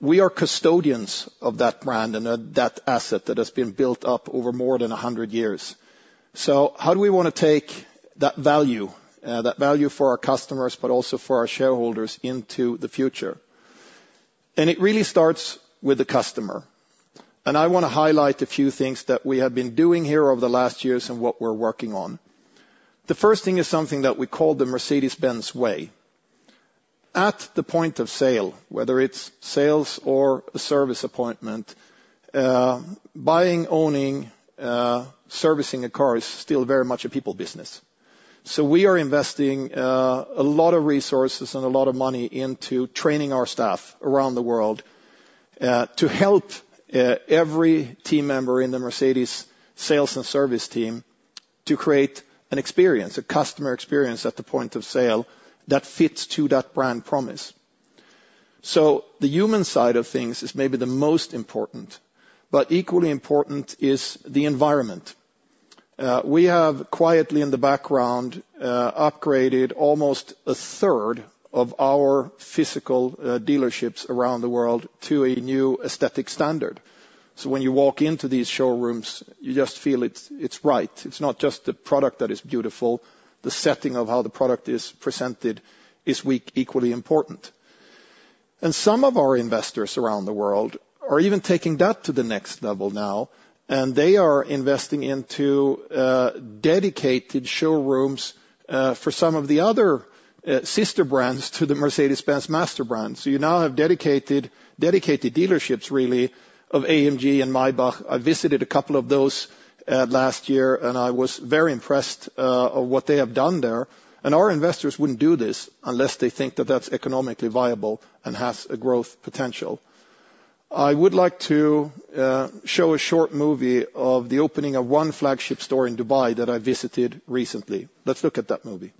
We are custodians of that brand and of that asset that has been built up over more than a hundred years. How do we wanna take that value, that value for our customers, but also for our shareholders, into the future? It really starts with the customer, and I wanna highlight a few things that we have been doing here over the last years and what we're working on. The first thing is something that we call the Mercedes-Benz Way. At the point of sale, whether it's sales or a service appointment, buying, owning, servicing a car is still very much a people business. So we are investing a lot of resources and a lot of money into training our staff around the world to help every team member in the Mercedes sales and service team to create an experience, a customer experience, at the point of sale that fits to that brand promise. So the human side of things is maybe the most important, but equally important is the environment. We have quietly, in the background, upgraded almost a third of our physical dealerships around the world to a new aesthetic standard. So when you walk into these showrooms, you just feel it's, it's right. It's not just the product that is beautiful, the setting of how the product is presented is equally important. Some of our investors around the world are even taking that to the next level now, and they are investing into dedicated showrooms for some of the other sister brands to the Mercedes-Benz master brand. So you now have dedicated, dedicated dealerships, really, of AMG and Maybach. I visited a couple of those last year, and I was very impressed of what they have done there. And our investors wouldn't do this unless they think that that's economically viable and has a growth potential. I would like to show a short movie of the opening of one flagship store in Dubai that I visited recently. Let's look at that movie.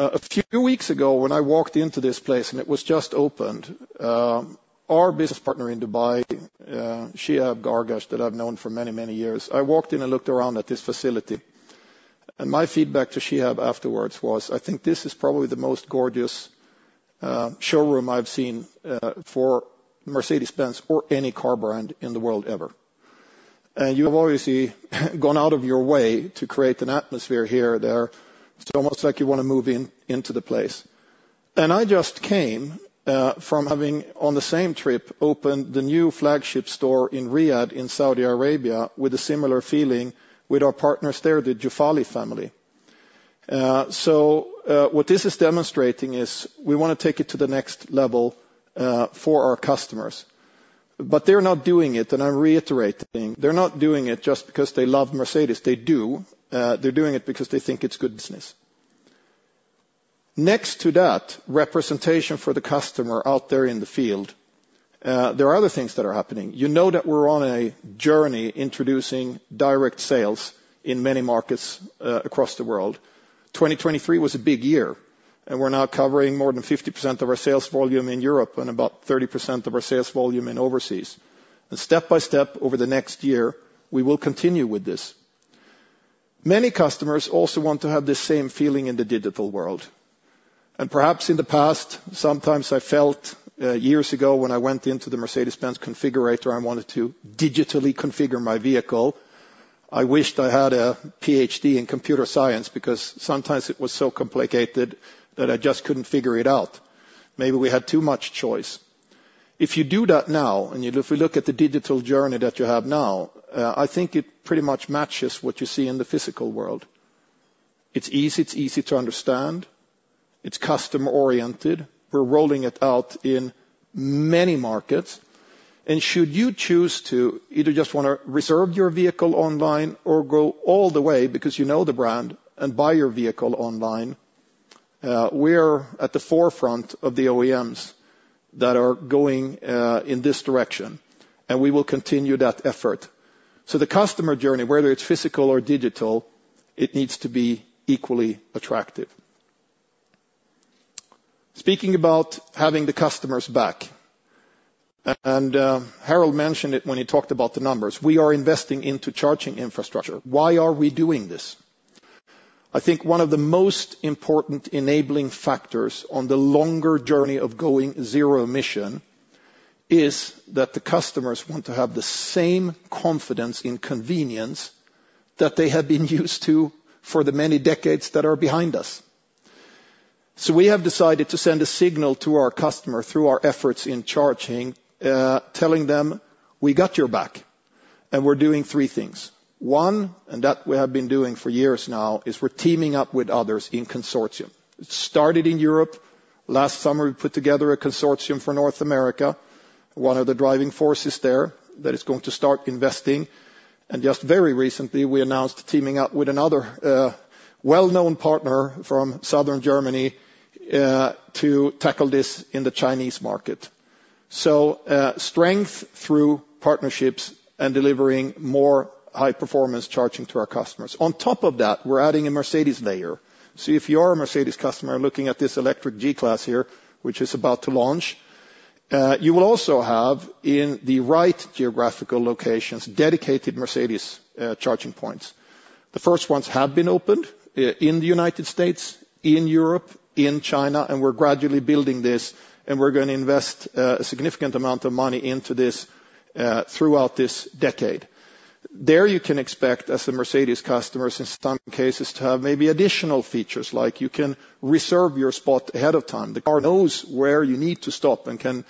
A few weeks ago, when I walked into this place, and it was just opened, our business partner in Dubai, Shehab Gargash, that I've known for many, many years, I walked in and looked around at this facility, and my feedback to Shehab afterwards was, "I think this is probably the most gorgeous showroom I've seen for Mercedes-Benz or any car brand in the world, ever. And you have obviously gone out of your way to create an atmosphere here. It's almost like you want to move in, into the place." And I just came from having, on the same trip, opened the new flagship store in Riyadh, in Saudi Arabia, with a similar feeling with our partners there, the Juffali family. So, what this is demonstrating is we want to take it to the next level, for our customers, but they're not doing it, and I reiterate the thing, they're not doing it just because they love Mercedes. They do. They're doing it because they think it's good business.... Next to that, representation for the customer out there in the field, there are other things that are happening. You know that we're on a journey introducing direct sales in many markets, across the world. 2023 was a big year, and we're now covering more than 50% of our sales volume in Europe and about 30% of our sales volume in overseas. And step by step, over the next year, we will continue with this. Many customers also want to have the same feeling in the digital world, and perhaps in the past, sometimes I felt, years ago, when I went into the Mercedes-Benz configurator, I wanted to digitally configure my vehicle. I wished I had a PhD in computer science, because sometimes it was so complicated that I just couldn't figure it out. Maybe we had too much choice. If you do that now, and if you look at the digital journey that you have now, I think it pretty much matches what you see in the physical world. It's easy, it's easy to understand, it's customer-oriented. We're rolling it out in many markets, and should you choose to either just wanna reserve your vehicle online or go all the way, because you know the brand, and buy your vehicle online, we're at the forefront of the OEMs that are going, in this direction, and we will continue that effort. So the customer journey, whether it's physical or digital, it needs to be equally attractive. Speaking about having the customers back, and, Harald mentioned it when he talked about the numbers, we are investing into charging infrastructure. Why are we doing this? I think one of the most important enabling factors on the longer journey of going zero emission is that the customers want to have the same confidence and convenience that they have been used to for the many decades that are behind us. So we have decided to send a signal to our customer through our efforts in charging, telling them, "We got your back," and we're doing three things. One, and that we have been doing for years now, is we're teaming up with others in consortium. It started in Europe. Last summer, we put together a consortium for North America, one of the driving forces there that is going to start investing. And just very recently, we announced teaming up with another, well-known partner from southern Germany, to tackle this in the Chinese market. So, strength through partnerships and delivering more high-performance charging to our customers. On top of that, we're adding a Mercedes layer. So if you are a Mercedes customer, looking at this electric G-Class here, which is about to launch, you will also have, in the right geographical locations, dedicated Mercedes charging points. The first ones have been opened in the United States, in Europe, in China, and we're gradually building this, and we're gonna invest a significant amount of money into this throughout this decade. There, you can expect, as a Mercedes customer, in some cases, to have maybe additional features, like you can reserve your spot ahead of time. The car knows where you need to stop and can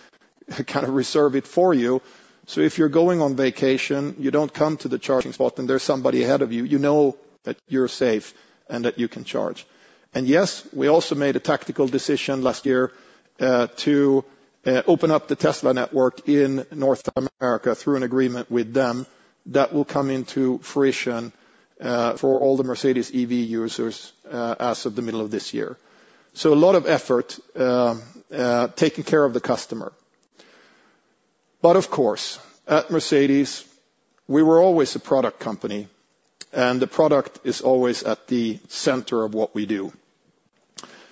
kind of reserve it for you. So if you're going on vacation, you don't come to the charging spot, and there's somebody ahead of you, you know that you're safe and that you can charge. And, yes, we also made a tactical decision last year to open up the Tesla network in North America through an agreement with them that will come into fruition for all the Mercedes EV users as of the middle of this year. So a lot of effort taking care of the customer. But, of course, at Mercedes, we were always a product company, and the product is always at the center of what we do.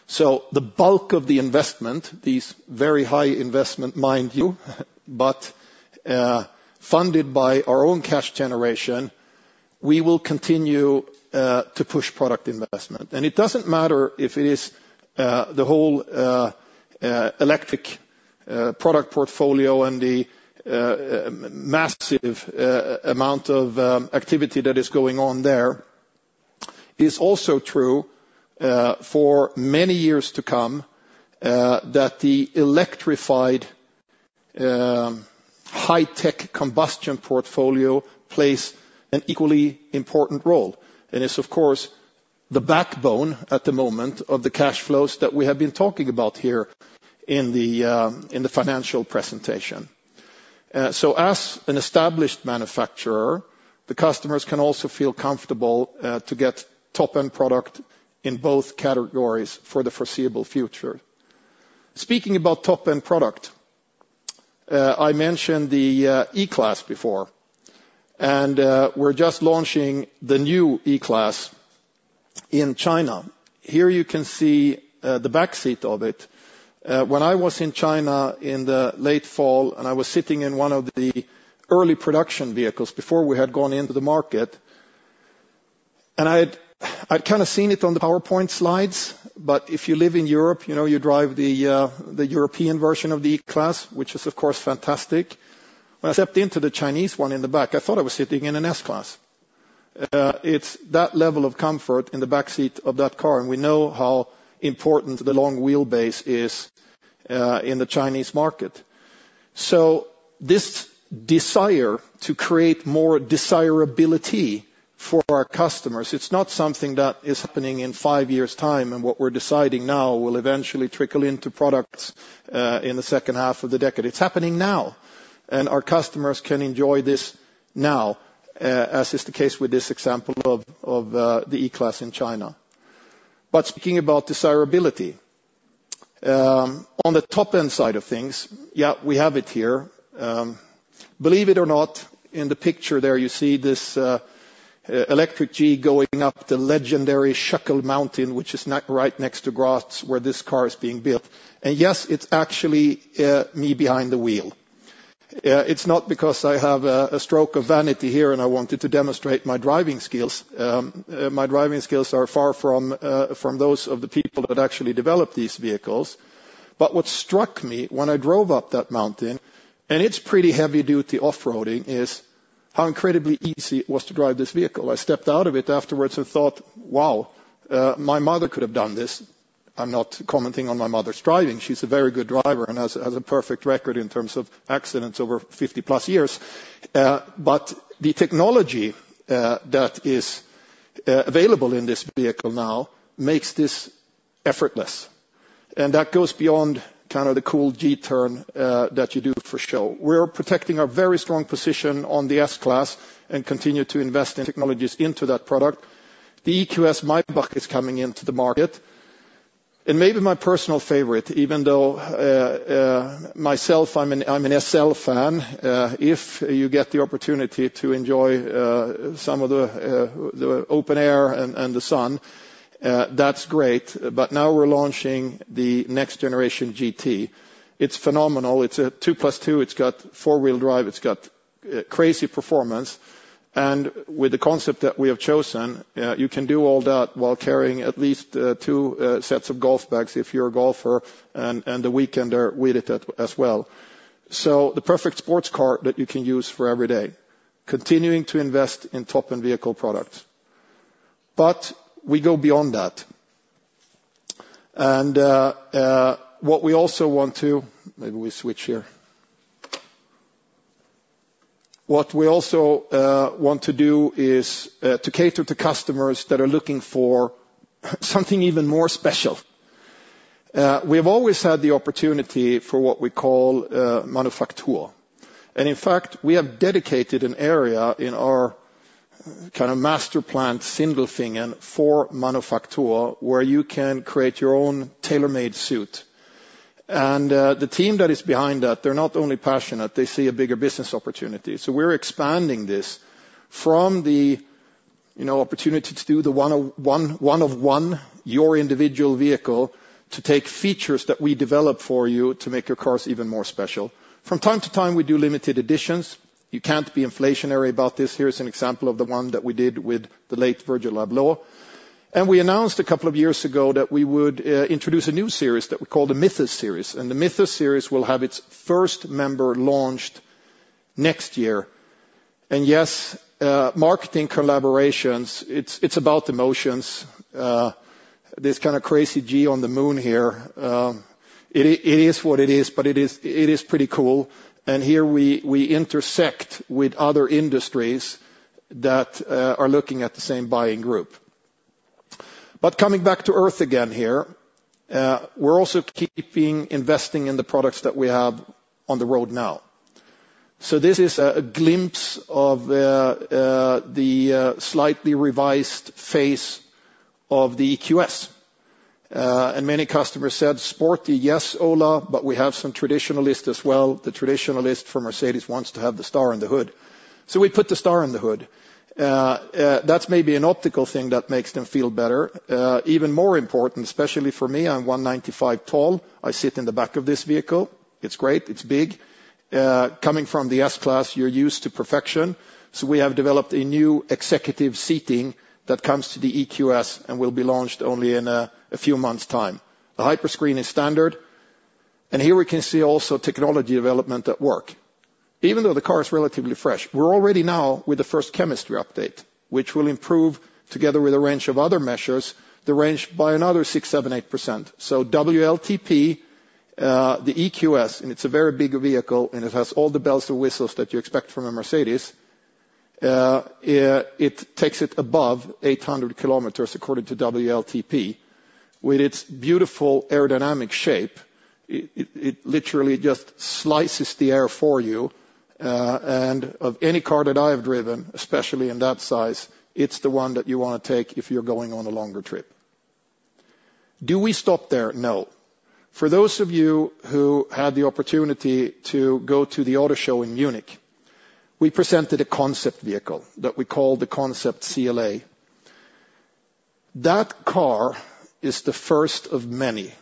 So the bulk of the investment, these very high investment, mind you, but funded by our own cash generation, we will continue to push product investment. And it doesn't matter if it is the whole electric product portfolio and the massive amount of activity that is going on there. It's also true, for many years to come, that the electrified, high-tech combustion portfolio plays an equally important role, and it's, of course, the backbone at the moment of the cash flows that we have been talking about here in the, in the financial presentation. So as an established manufacturer, the customers can also feel comfortable, to get top-end product in both categories for the foreseeable future. Speaking about top-end product, I mentioned the, E-Class before, and, we're just launching the new E-Class in China. Here you can see, the back seat of it. When I was in China in the late fall and I was sitting in one of the early production vehicles before we had gone into the market, and I had, I'd kind of seen it on the PowerPoint slides, but if you live in Europe, you know, you drive the, the European version of the E-Class, which is, of course, fantastic. When I stepped into the Chinese one in the back, I thought I was sitting in an S-Class. It's that level of comfort in the back seat of that car, and we know how important the long wheelbase is, in the Chinese market. So this desire to create more desirability for our customers, it's not something that is happening in five years' time, and what we're deciding now will eventually trickle into products, in the second half of the decade. It's happening now, and our customers can enjoy this now, as is the case with this example of the E-Class in China. But speaking about desirability, on the top-end side of things, yeah, we have it here. Believe it or not, in the picture there, you see this electric G going up the legendary Schöckl Mountain, which is not right next to Graz, where this car is being built, and, yes, it's actually me behind the wheel. It's not because I have a stroke of vanity here, and I wanted to demonstrate my driving skills. My driving skills are far from those of the people that actually develop these vehicles. But what struck me when I drove up that mountain, and it's pretty heavy-duty off-roading, is how incredibly easy it was to drive this vehicle. I stepped out of it afterwards and thought, "Wow, my mother could have done this." I'm not commenting on my mother's driving. She's a very good driver and has a perfect record in terms of accidents over 50+years. But the technology that is available in this vehicle now makes this effortless, and that goes beyond kind of the cool G-Turn that you do for show. We're protecting our very strong position on the S-Class and continue to invest in technologies into that product. The EQS Maybach is coming into the market, and maybe my personal favorite, even though myself, I'm an SL fan, if you get the opportunity to enjoy some of the open air and the sun, that's great. But now we're launching the next-generation GT. It's phenomenal. It's a 2+2. It's got four-wheel drive. It's got crazy performance, and with the concept that we have chosen, you can do all that while carrying at least two sets of golf bags if you're a golfer, and a weekender with it as well. So the perfect sports car that you can use for every day, continuing to invest in top-end vehicle products. But we go beyond that, and what we also want to... Maybe we switch here. What we also want to do is to cater to customers that are looking for something even more special. We have always had the opportunity for what we call Manufaktur, and in fact, we have dedicated an area in our kind of master plant, Sindelfingen, for Manufaktur, where you can create your own tailor-made suit. The team that is behind that, they're not only passionate, they see a bigger business opportunity. So we're expanding this from the, you know, opportunity to do the one-of-one, your individual vehicle, to take features that we develop for you to make your cars even more special. From time to time, we do limited editions. You can't be inflationary about this. Here is an example of the one that we did with the late Virgil Abloh, and we announced a couple of years ago that we would introduce a new series that we call the Mythos series, and the Mythos series will have its first member launched next year. Marketing collaborations, it's about emotions. This kind of crazy G on the moon here, it is what it is, but it is pretty cool, and here we intersect with other industries that are looking at the same buying group. But coming back to Earth again here, we're also keeping investing in the products that we have on the road now. So this is a glimpse of the slightly revised face of the EQS. And many customers said, "Sporty, yes, Ola, but we have some traditionalists as well. The traditionalist for Mercedes wants to have the star on the hood." So we put the star on the hood. That's maybe an optical thing that makes them feel better. Even more important, especially for me, I'm 195 tall, I sit in the back of this vehicle. It's great. It's big. Coming from the S-Class, you're used to perfection, so we have developed a new executive seating that comes to the EQS and will be launched only in a few months' time. The Hyperscreen is standard, and here we can see also technology development at work. Even though the car is relatively fresh, we're all ready now with the first chemistry update, which will improve, together with a range of other measures, the range by another 6%-8%. So WLTP, the EQS, and it's a very big vehicle, and it has all the bells and whistles that you expect from a Mercedes, it takes it above 800 km, according to WLTP. With its beautiful aerodynamic shape, it literally just slices the air for you, and of any car that I have driven, especially in that size, it's the one that you want to take if you're going on a longer trip. Do we stop there? No. For those of you who had the opportunity to go to the auto show in Munich, we presented a concept vehicle that we call the Concept CLA. That car is the first of many.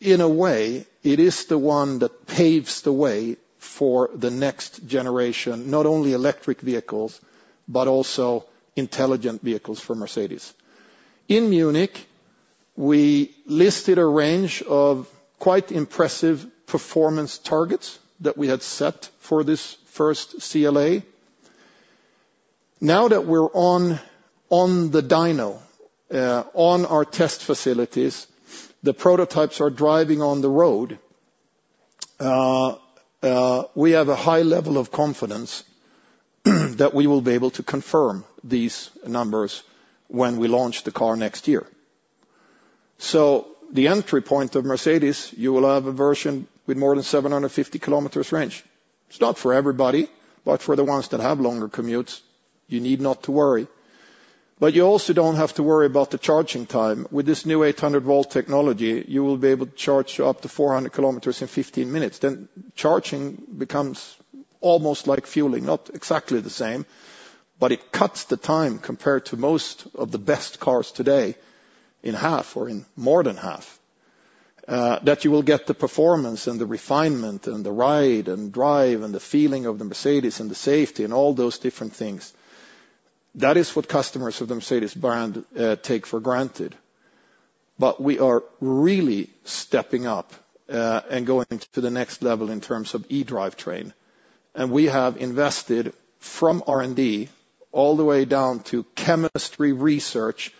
In a way, it is the one that paves the way for the next generation, not only electric vehicles, but also intelligent vehicles for Mercedes. In Munich, we listed a range of quite impressive performance targets that we had set for this first CLA. Now that we're on the dyno, on our test facilities, the prototypes are driving on the road, we have a high level of confidence that we will be able to confirm these numbers when we launch the car next year. So the entry point of Mercedes, you will have a version with more than 750 km range. It's not for everybody, but for the ones that have longer commutes, you need not to worry. But you also don't have to worry about the charging time. With this new 800-volt technology, you will be able to charge up to 400 km in 15 minutes. Then charging becomes almost like fueling, not exactly the same, but it cuts the time compared to most of the best cars today in half or in more than half. That you will get the performance and the refinement and the ride and drive, and the feeling of the Mercedes, and the safety, and all those different things, that is what customers of the Mercedes brand take for granted. But we are really stepping up, and going to the next level in terms of eDrivetrain. And we have invested from R&D, all the way down to chemistry research,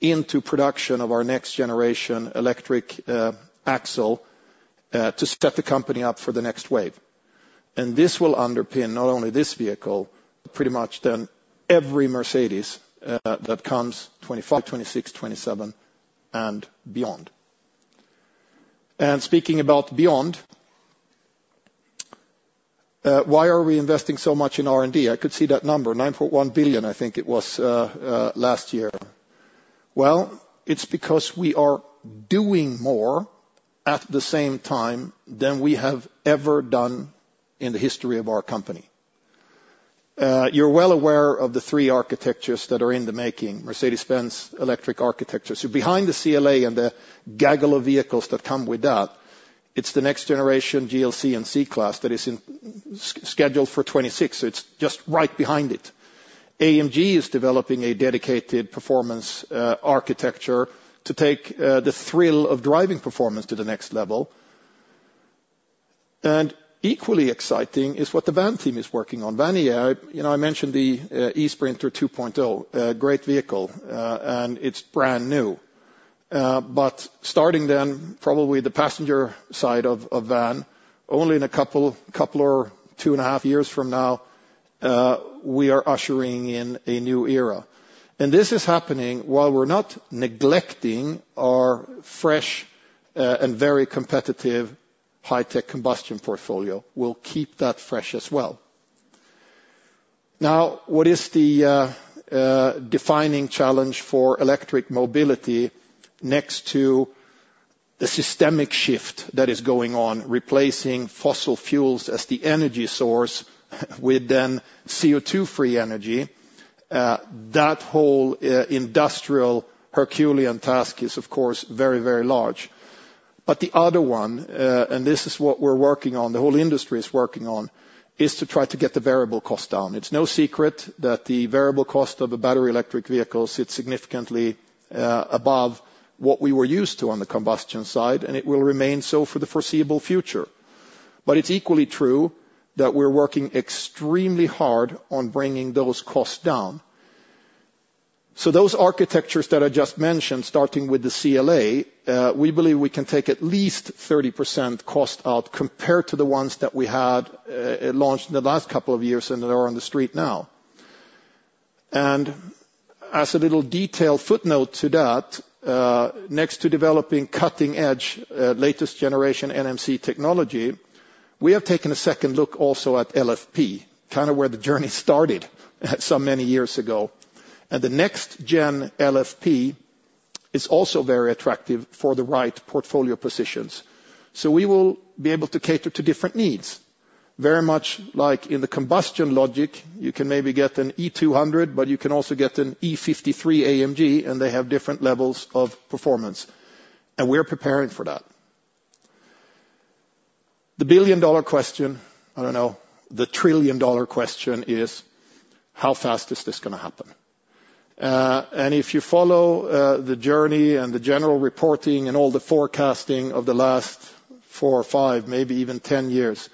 into production of our next generation electric axle, to set the company up for the next wave. And this will underpin not only this vehicle, pretty much then every Mercedes, that comes 2025, 2026, 2027, and beyond. And speaking about beyond, why are we investing so much in R&D? I could see that number, 9.1 billion, I think it was, last year. Well, it's because we are doing more at the same time than we have ever done in the history of our company. You're well aware of the three architectures that are in the making, Mercedes-Benz Electric Architecture. So behind the CLA and the gaggle of vehicles that come with that, it's the next generation GLC and C-Class that is scheduled for 2026. It's just right behind it. AMG is developing a dedicated performance architecture, to take the thrill of driving performance to the next level. And equally exciting is what the van team is working on. VAN.EA, you know, I mentioned the eSprinter 2.0. A great vehicle, and it's brand new. But starting then, probably the passenger side of van, only in a couple or two and a half years from now, we are ushering in a new era. And this is happening while we're not neglecting our fresh and very competitive, high-tech combustion portfolio. We'll keep that fresh as well. Now, what is the defining challenge for electric mobility next to the systemic shift that is going on, replacing fossil fuels as the energy source with then CO2-free energy? That whole industrial Herculean task is, of course, very, very large. But the other one, and this is what we're working on, the whole industry is working on, is to try to get the variable cost down. It's no secret that the variable cost of a battery electric vehicle sits significantly above what we were used to on the combustion side, and it will remain so for the foreseeable future. But it's equally true that we're working extremely hard on bringing those costs down. So those architectures that I just mentioned, starting with the CLA, we believe we can take at least 30% cost out compared to the ones that we had launched in the last couple of years and that are on the street now. And as a little detailed footnote to that, next to developing cutting-edge latest generation NMC technology, we have taken a second look also at LFP, kind of where the journey started so many years ago. And the next gen LFP is also very attractive for the right portfolio positions. So we will be able to cater to different needs. Very much like in the combustion logic, you can maybe get an E 200, but you can also get an E 53 AMG, and they have different levels of performance, and we're preparing for that. The billion-dollar question, I don't know, the trillion-dollar question is: how fast is this gonna happen? And if you follow the journey and the general reporting and all the forecasting of the last 4 or 5, maybe even 10 years,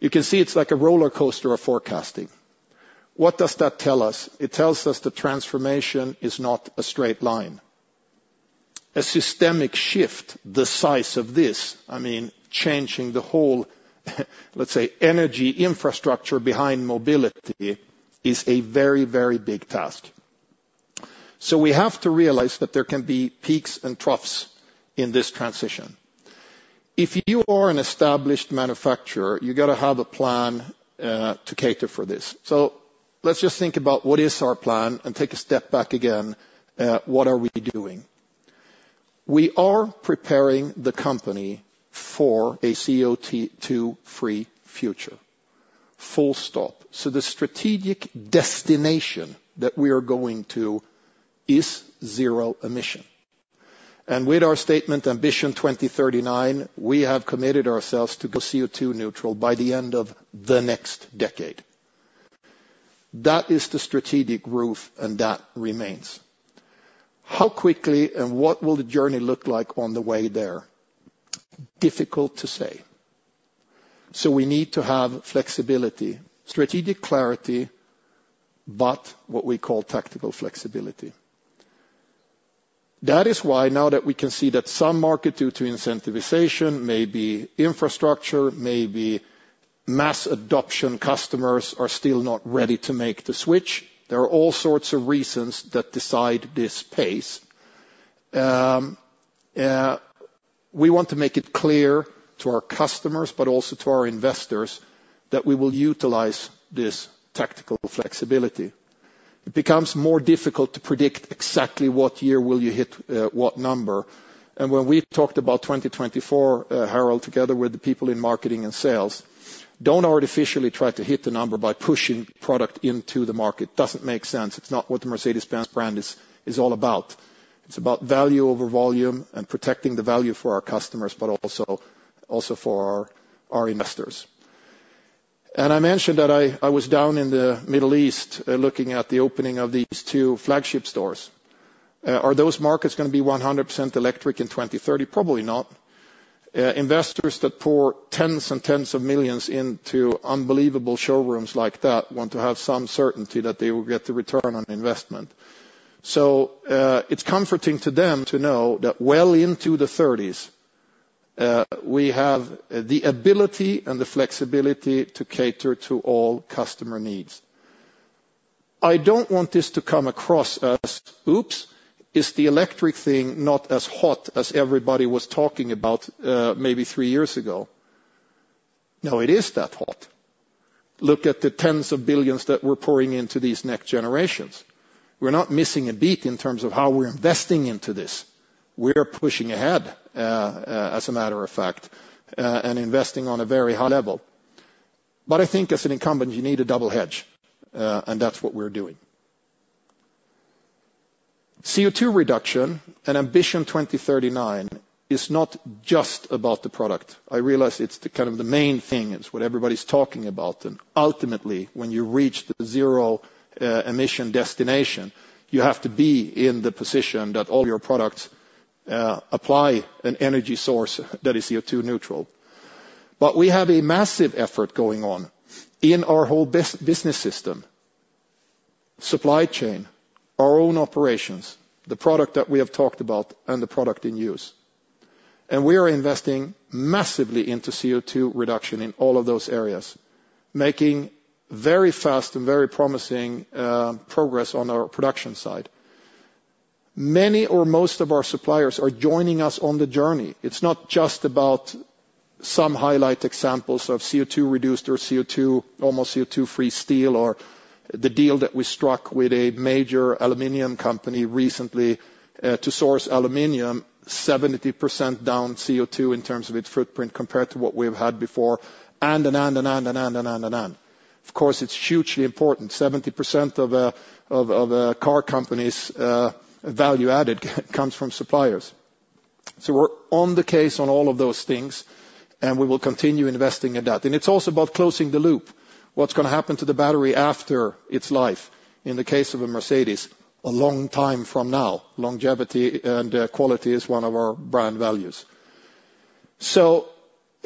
you can see it's like a roller coaster of forecasting. What does that tell us? It tells us the transformation is not a straight line. A systemic shift the size of this, I mean, changing the whole, let's say, energy infrastructure behind mobility, is a very, very big task. So we have to realize that there can be peaks and troughs in this transition. If you are an established manufacturer, you got to have a plan to cater for this. So let's just think about what is our plan, and take a step back again, what are we doing? We are preparing the company for a CO2-free future, full stop. So the strategic destination that we are going to is zero emission. And with our statement, Ambition 2039, we have committed ourselves to go CO2 neutral by the end of the next decade. That is the strategic roof, and that remains. How quickly and what will the journey look like on the way there? Difficult to say. So we need to have flexibility, strategic clarity, but what we call tactical flexibility. That is why now that we can see that some market, due to incentivization, maybe infrastructure, maybe mass adoption customers are still not ready to make the switch. There are all sorts of reasons that decide this pace. We want to make it clear to our customers, but also to our investors, that we will utilize this tactical flexibility. It becomes more difficult to predict exactly what year will you hit, what number. And when we talked about 2024, Harald, together with the people in marketing and sales, don't artificially try to hit the number by pushing product into the market. Doesn't make sense. It's not what the Mercedes-Benz brand is, is all about. It's about value over volume and protecting the value for our customers, but also, also for our, our investors. And I mentioned that I, I was down in the Middle East, looking at the opening of these two flagship stores. Are those markets gonna be 100% electric in 2030? Probably not. Investors that pour EUR tens and tens of millions into unbelievable showrooms like that want to have some certainty that they will get the return on investment. So, it's comforting to them to know that well into the '30s, we have the ability and the flexibility to cater to all customer needs. I don't want this to come across as, oops, is the electric thing not as hot as everybody was talking about, maybe three years ago? No, it is that hot. Look at the EUR tens of billions that we're pouring into these next generations. We're not missing a beat in terms of how we're investing into this. We're pushing ahead, as a matter of fact, and investing on a very high level. But I think as an incumbent, you need a double hedge, and that's what we're doing. CO2 reduction and Ambition 2039 is not just about the product. I realize it's the, kind of the main thing, it's what everybody's talking about, and ultimately, when you reach the zero emission destination, you have to be in the position that all your products apply an energy source that is CO2 neutral. But we have a massive effort going on in our whole business system, supply chain, our own operations, the product that we have talked about, and the product in use. And we are investing massively into CO2 reduction in all of those areas, making very fast and very promising progress on our production side. Many or most of our suppliers are joining us on the journey. It's not just about some highlight examples of CO2 reduced or CO2, almost CO2-free steel, or the deal that we struck with a major aluminum company recently to source aluminum, 70% down CO2 in terms of its footprint compared to what we've had before. Of course, it's hugely important. 70% of a car company's value added comes from suppliers. So we're on the case on all of those things, and we will continue investing in that. It's also about closing the loop. What's gonna happen to the battery after its life? In the case of a Mercedes, a long time from now. Longevity and quality is one of our brand values. So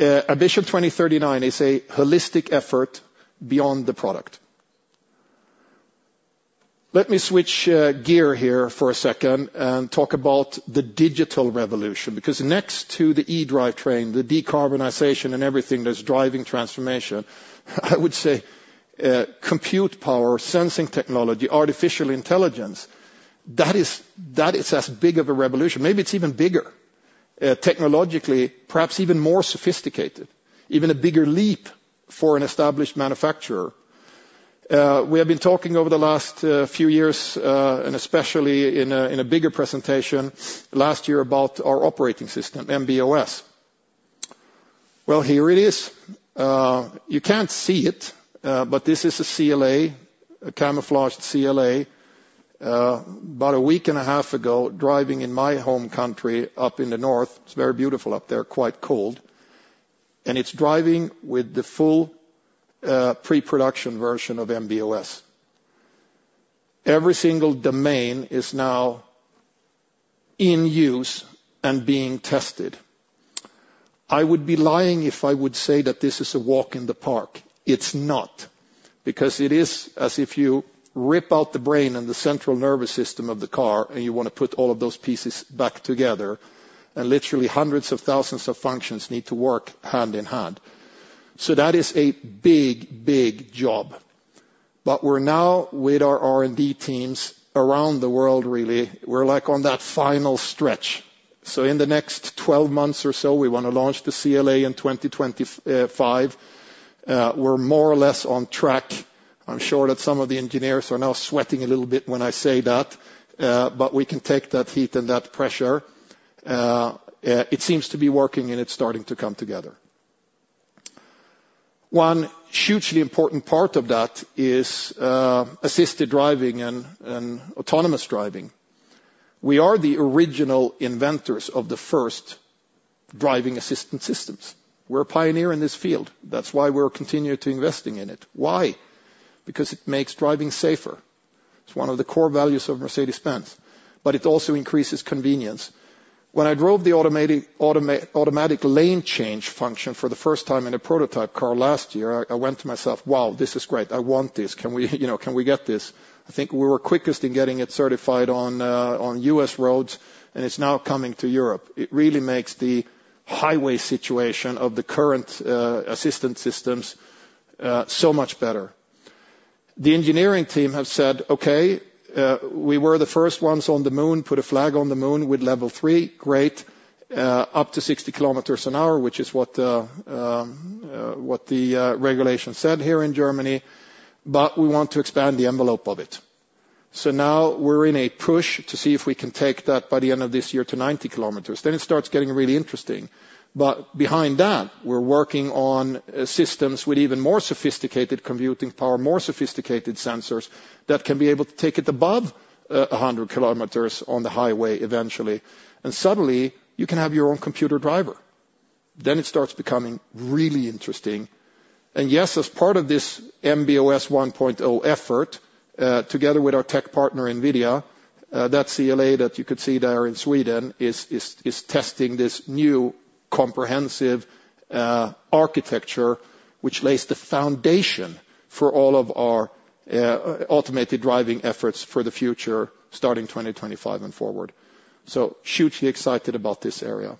Ambition 2039 is a holistic effort beyond the product. Let me switch gear here for a second and talk about the digital revolution, because next to the eDrive train, the decarbonization and everything that's driving transformation, I would say, compute power, sensing technology, artificial intelligence, that is, that is as big of a revolution. Maybe it's even bigger, technologically, perhaps even more sophisticated, even a bigger leap for an established manufacturer. We have been talking over the last few years, and especially in a bigger presentation last year, about our operating system, MB.OS. Well, here it is. You can't see it, but this is a CLA, a camouflaged CLA, about a week and a half ago, driving in my home country, up in the north. It's very beautiful up there, quite cold, and it's driving with the full, pre-production version of MB.OS. Every single domain is now in use and being tested. I would be lying if I would say that this is a walk in the park. It's not, because it is as if you rip out the brain and the central nervous system of the car, and you want to put all of those pieces back together, and literally hundreds of thousands of functions need to work hand in hand. So that is a big, big job. But we're now, with our R&D teams around the world, really, we're, like, on that final stretch. So in the next 12 months or so, we want to launch the CLA in 2025. We're more or less on track. I'm sure that some of the engineers are now sweating a little bit when I say that, but we can take that heat and that pressure. It seems to be working, and it's starting to come together. One hugely important part of that is assisted driving and autonomous driving. We are the original inventors of the first driving assistant systems. We're a pioneer in this field. That's why we're continuing to investing in it. Why? Because it makes driving safer. It's one of the core values of Mercedes-Benz, but it also increases convenience. When I drove the automatic lane change function for the first time in a prototype car last year, I went to myself, "Wow, this is great. I want this. Can we, you know, can we get this?" I think we were quickest in getting it certified on U.S. roads, and it's now coming to Europe. It really makes the highway situation of the current assistance systems so much better... The engineering team have said, "Okay, we were the first ones on the moon, put a flag on the moon with Level 3. Great, up to 60 km an hour," which is what the regulation said here in Germany, "but we want to expand the envelope of it." So now we're in a push to see if we can take that by the end of this year to 90 km, then it starts getting really interesting. But behind that, we're working on systems with even more sophisticated computing power, more sophisticated sensors, that can be able to take it above a 100 km on the highway eventually, and suddenly you can have your own computer driver. Then it starts becoming really interesting. Yes, as part of this MB.OS 1.0 effort, together with our tech partner, Nvidia, that CLA that you could see there in Sweden, is testing this new comprehensive architecture, which lays the foundation for all of our automated driving efforts for the future, starting 2025 and forward. So hugely excited about this area.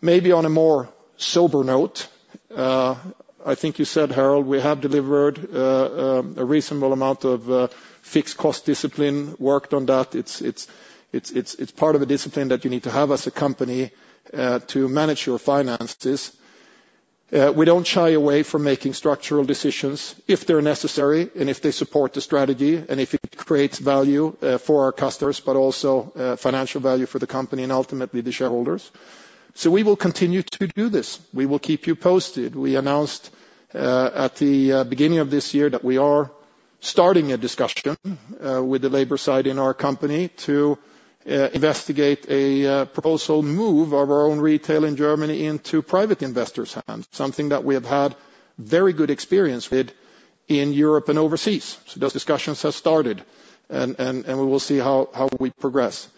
Maybe on a more sober note, I think you said, Harald, we have delivered a reasonable amount of fixed cost discipline, worked on that. It's part of a discipline that you need to have as a company to manage your finances. We don't shy away from making structural decisions if they're necessary, and if they support the strategy, and if it creates value for our customers, but also financial value for the company and ultimately the shareholders. So we will continue to do this. We will keep you posted. We announced at the beginning of this year that we are starting a discussion with the labor side in our company to investigate a proposal move of our own retail in Germany into private investors' hands, something that we have had very good experience with in Europe and overseas. So those discussions have started, and we will see how we progress.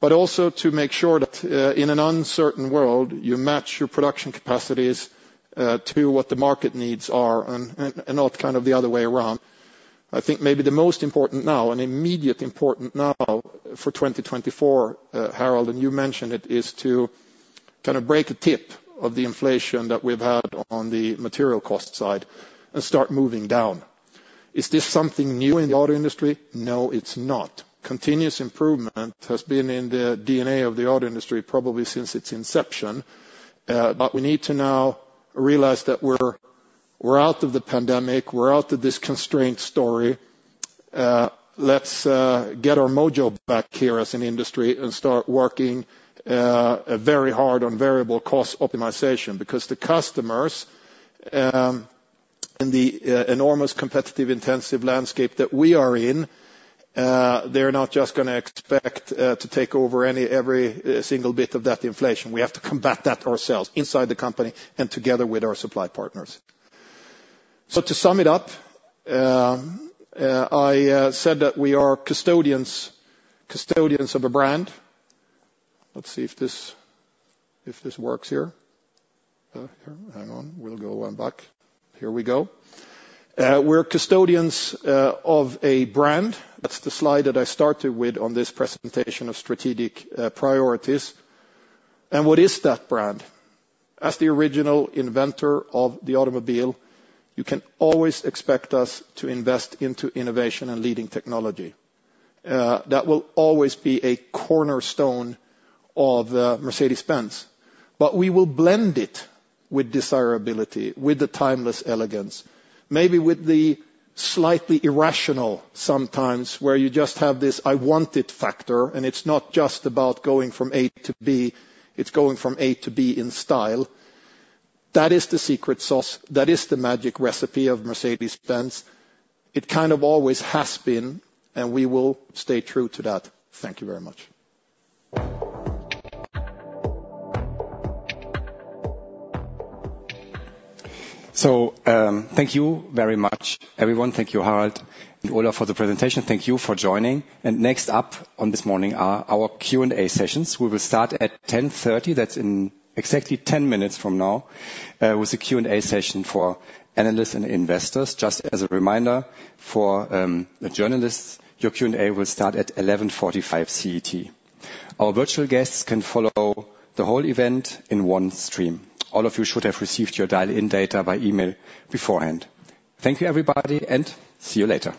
But also to make sure that in an uncertain world, you match your production capacities to what the market needs are and not kind of the other way around. I think maybe the most important now, and immediate important now for 2024, Harald, and you mentioned it, is to kind of break the tip of the inflation that we've had on the material cost side and start moving down. Is this something new in the auto industry? No, it's not. Continuous improvement has been in the DNA of the auto industry probably since its inception, but we need to now realize that we're, we're out of the pandemic, we're out of this constraint story. Let's get our mojo back here as an industry and start working very hard on variable cost optimization, because the customers, and the enormous competitive, intensive landscape that we are in, they're not just gonna expect to take over any, every single bit of that inflation. We have to combat that ourselves, inside the company and together with our supply partners. So to sum it up, I said that we are custodians of a brand. Let's see if this, if this works here. Here, hang on, we'll go one back. Here we go. We're custodians of a brand. That's the slide that I started with on this presentation of strategic priorities. And what is that brand? As the original inventor of the automobile, you can always expect us to invest into innovation and leading technology. That will always be a cornerstone of Mercedes-Benz. But we will blend it with desirability, with the timeless elegance, maybe with the slightly irrational sometimes, where you just have this, I want it, factor, and it's not just about going from A to B, it's going from A to B in style. That is the secret sauce. That is the magic recipe of Mercedes-Benz. It kind of always has been, and we will stay true to that. Thank you very much. So, thank you very much, everyone. Thank you, Harald and Ola, for the presentation. Thank you for joining. And next up on this morning are our Q&A sessions. We will start at 10:30 A.M., that's in exactly 10 minutes from now, with a Q&A session for analysts and investors. Just as a reminder, for the journalists, your Q&A will start at 11:45 A.M. CET. Our virtual guests can follow the whole event in one stream. All of you should have received your dial-in data by email beforehand. Thank you, everybody, and see you later.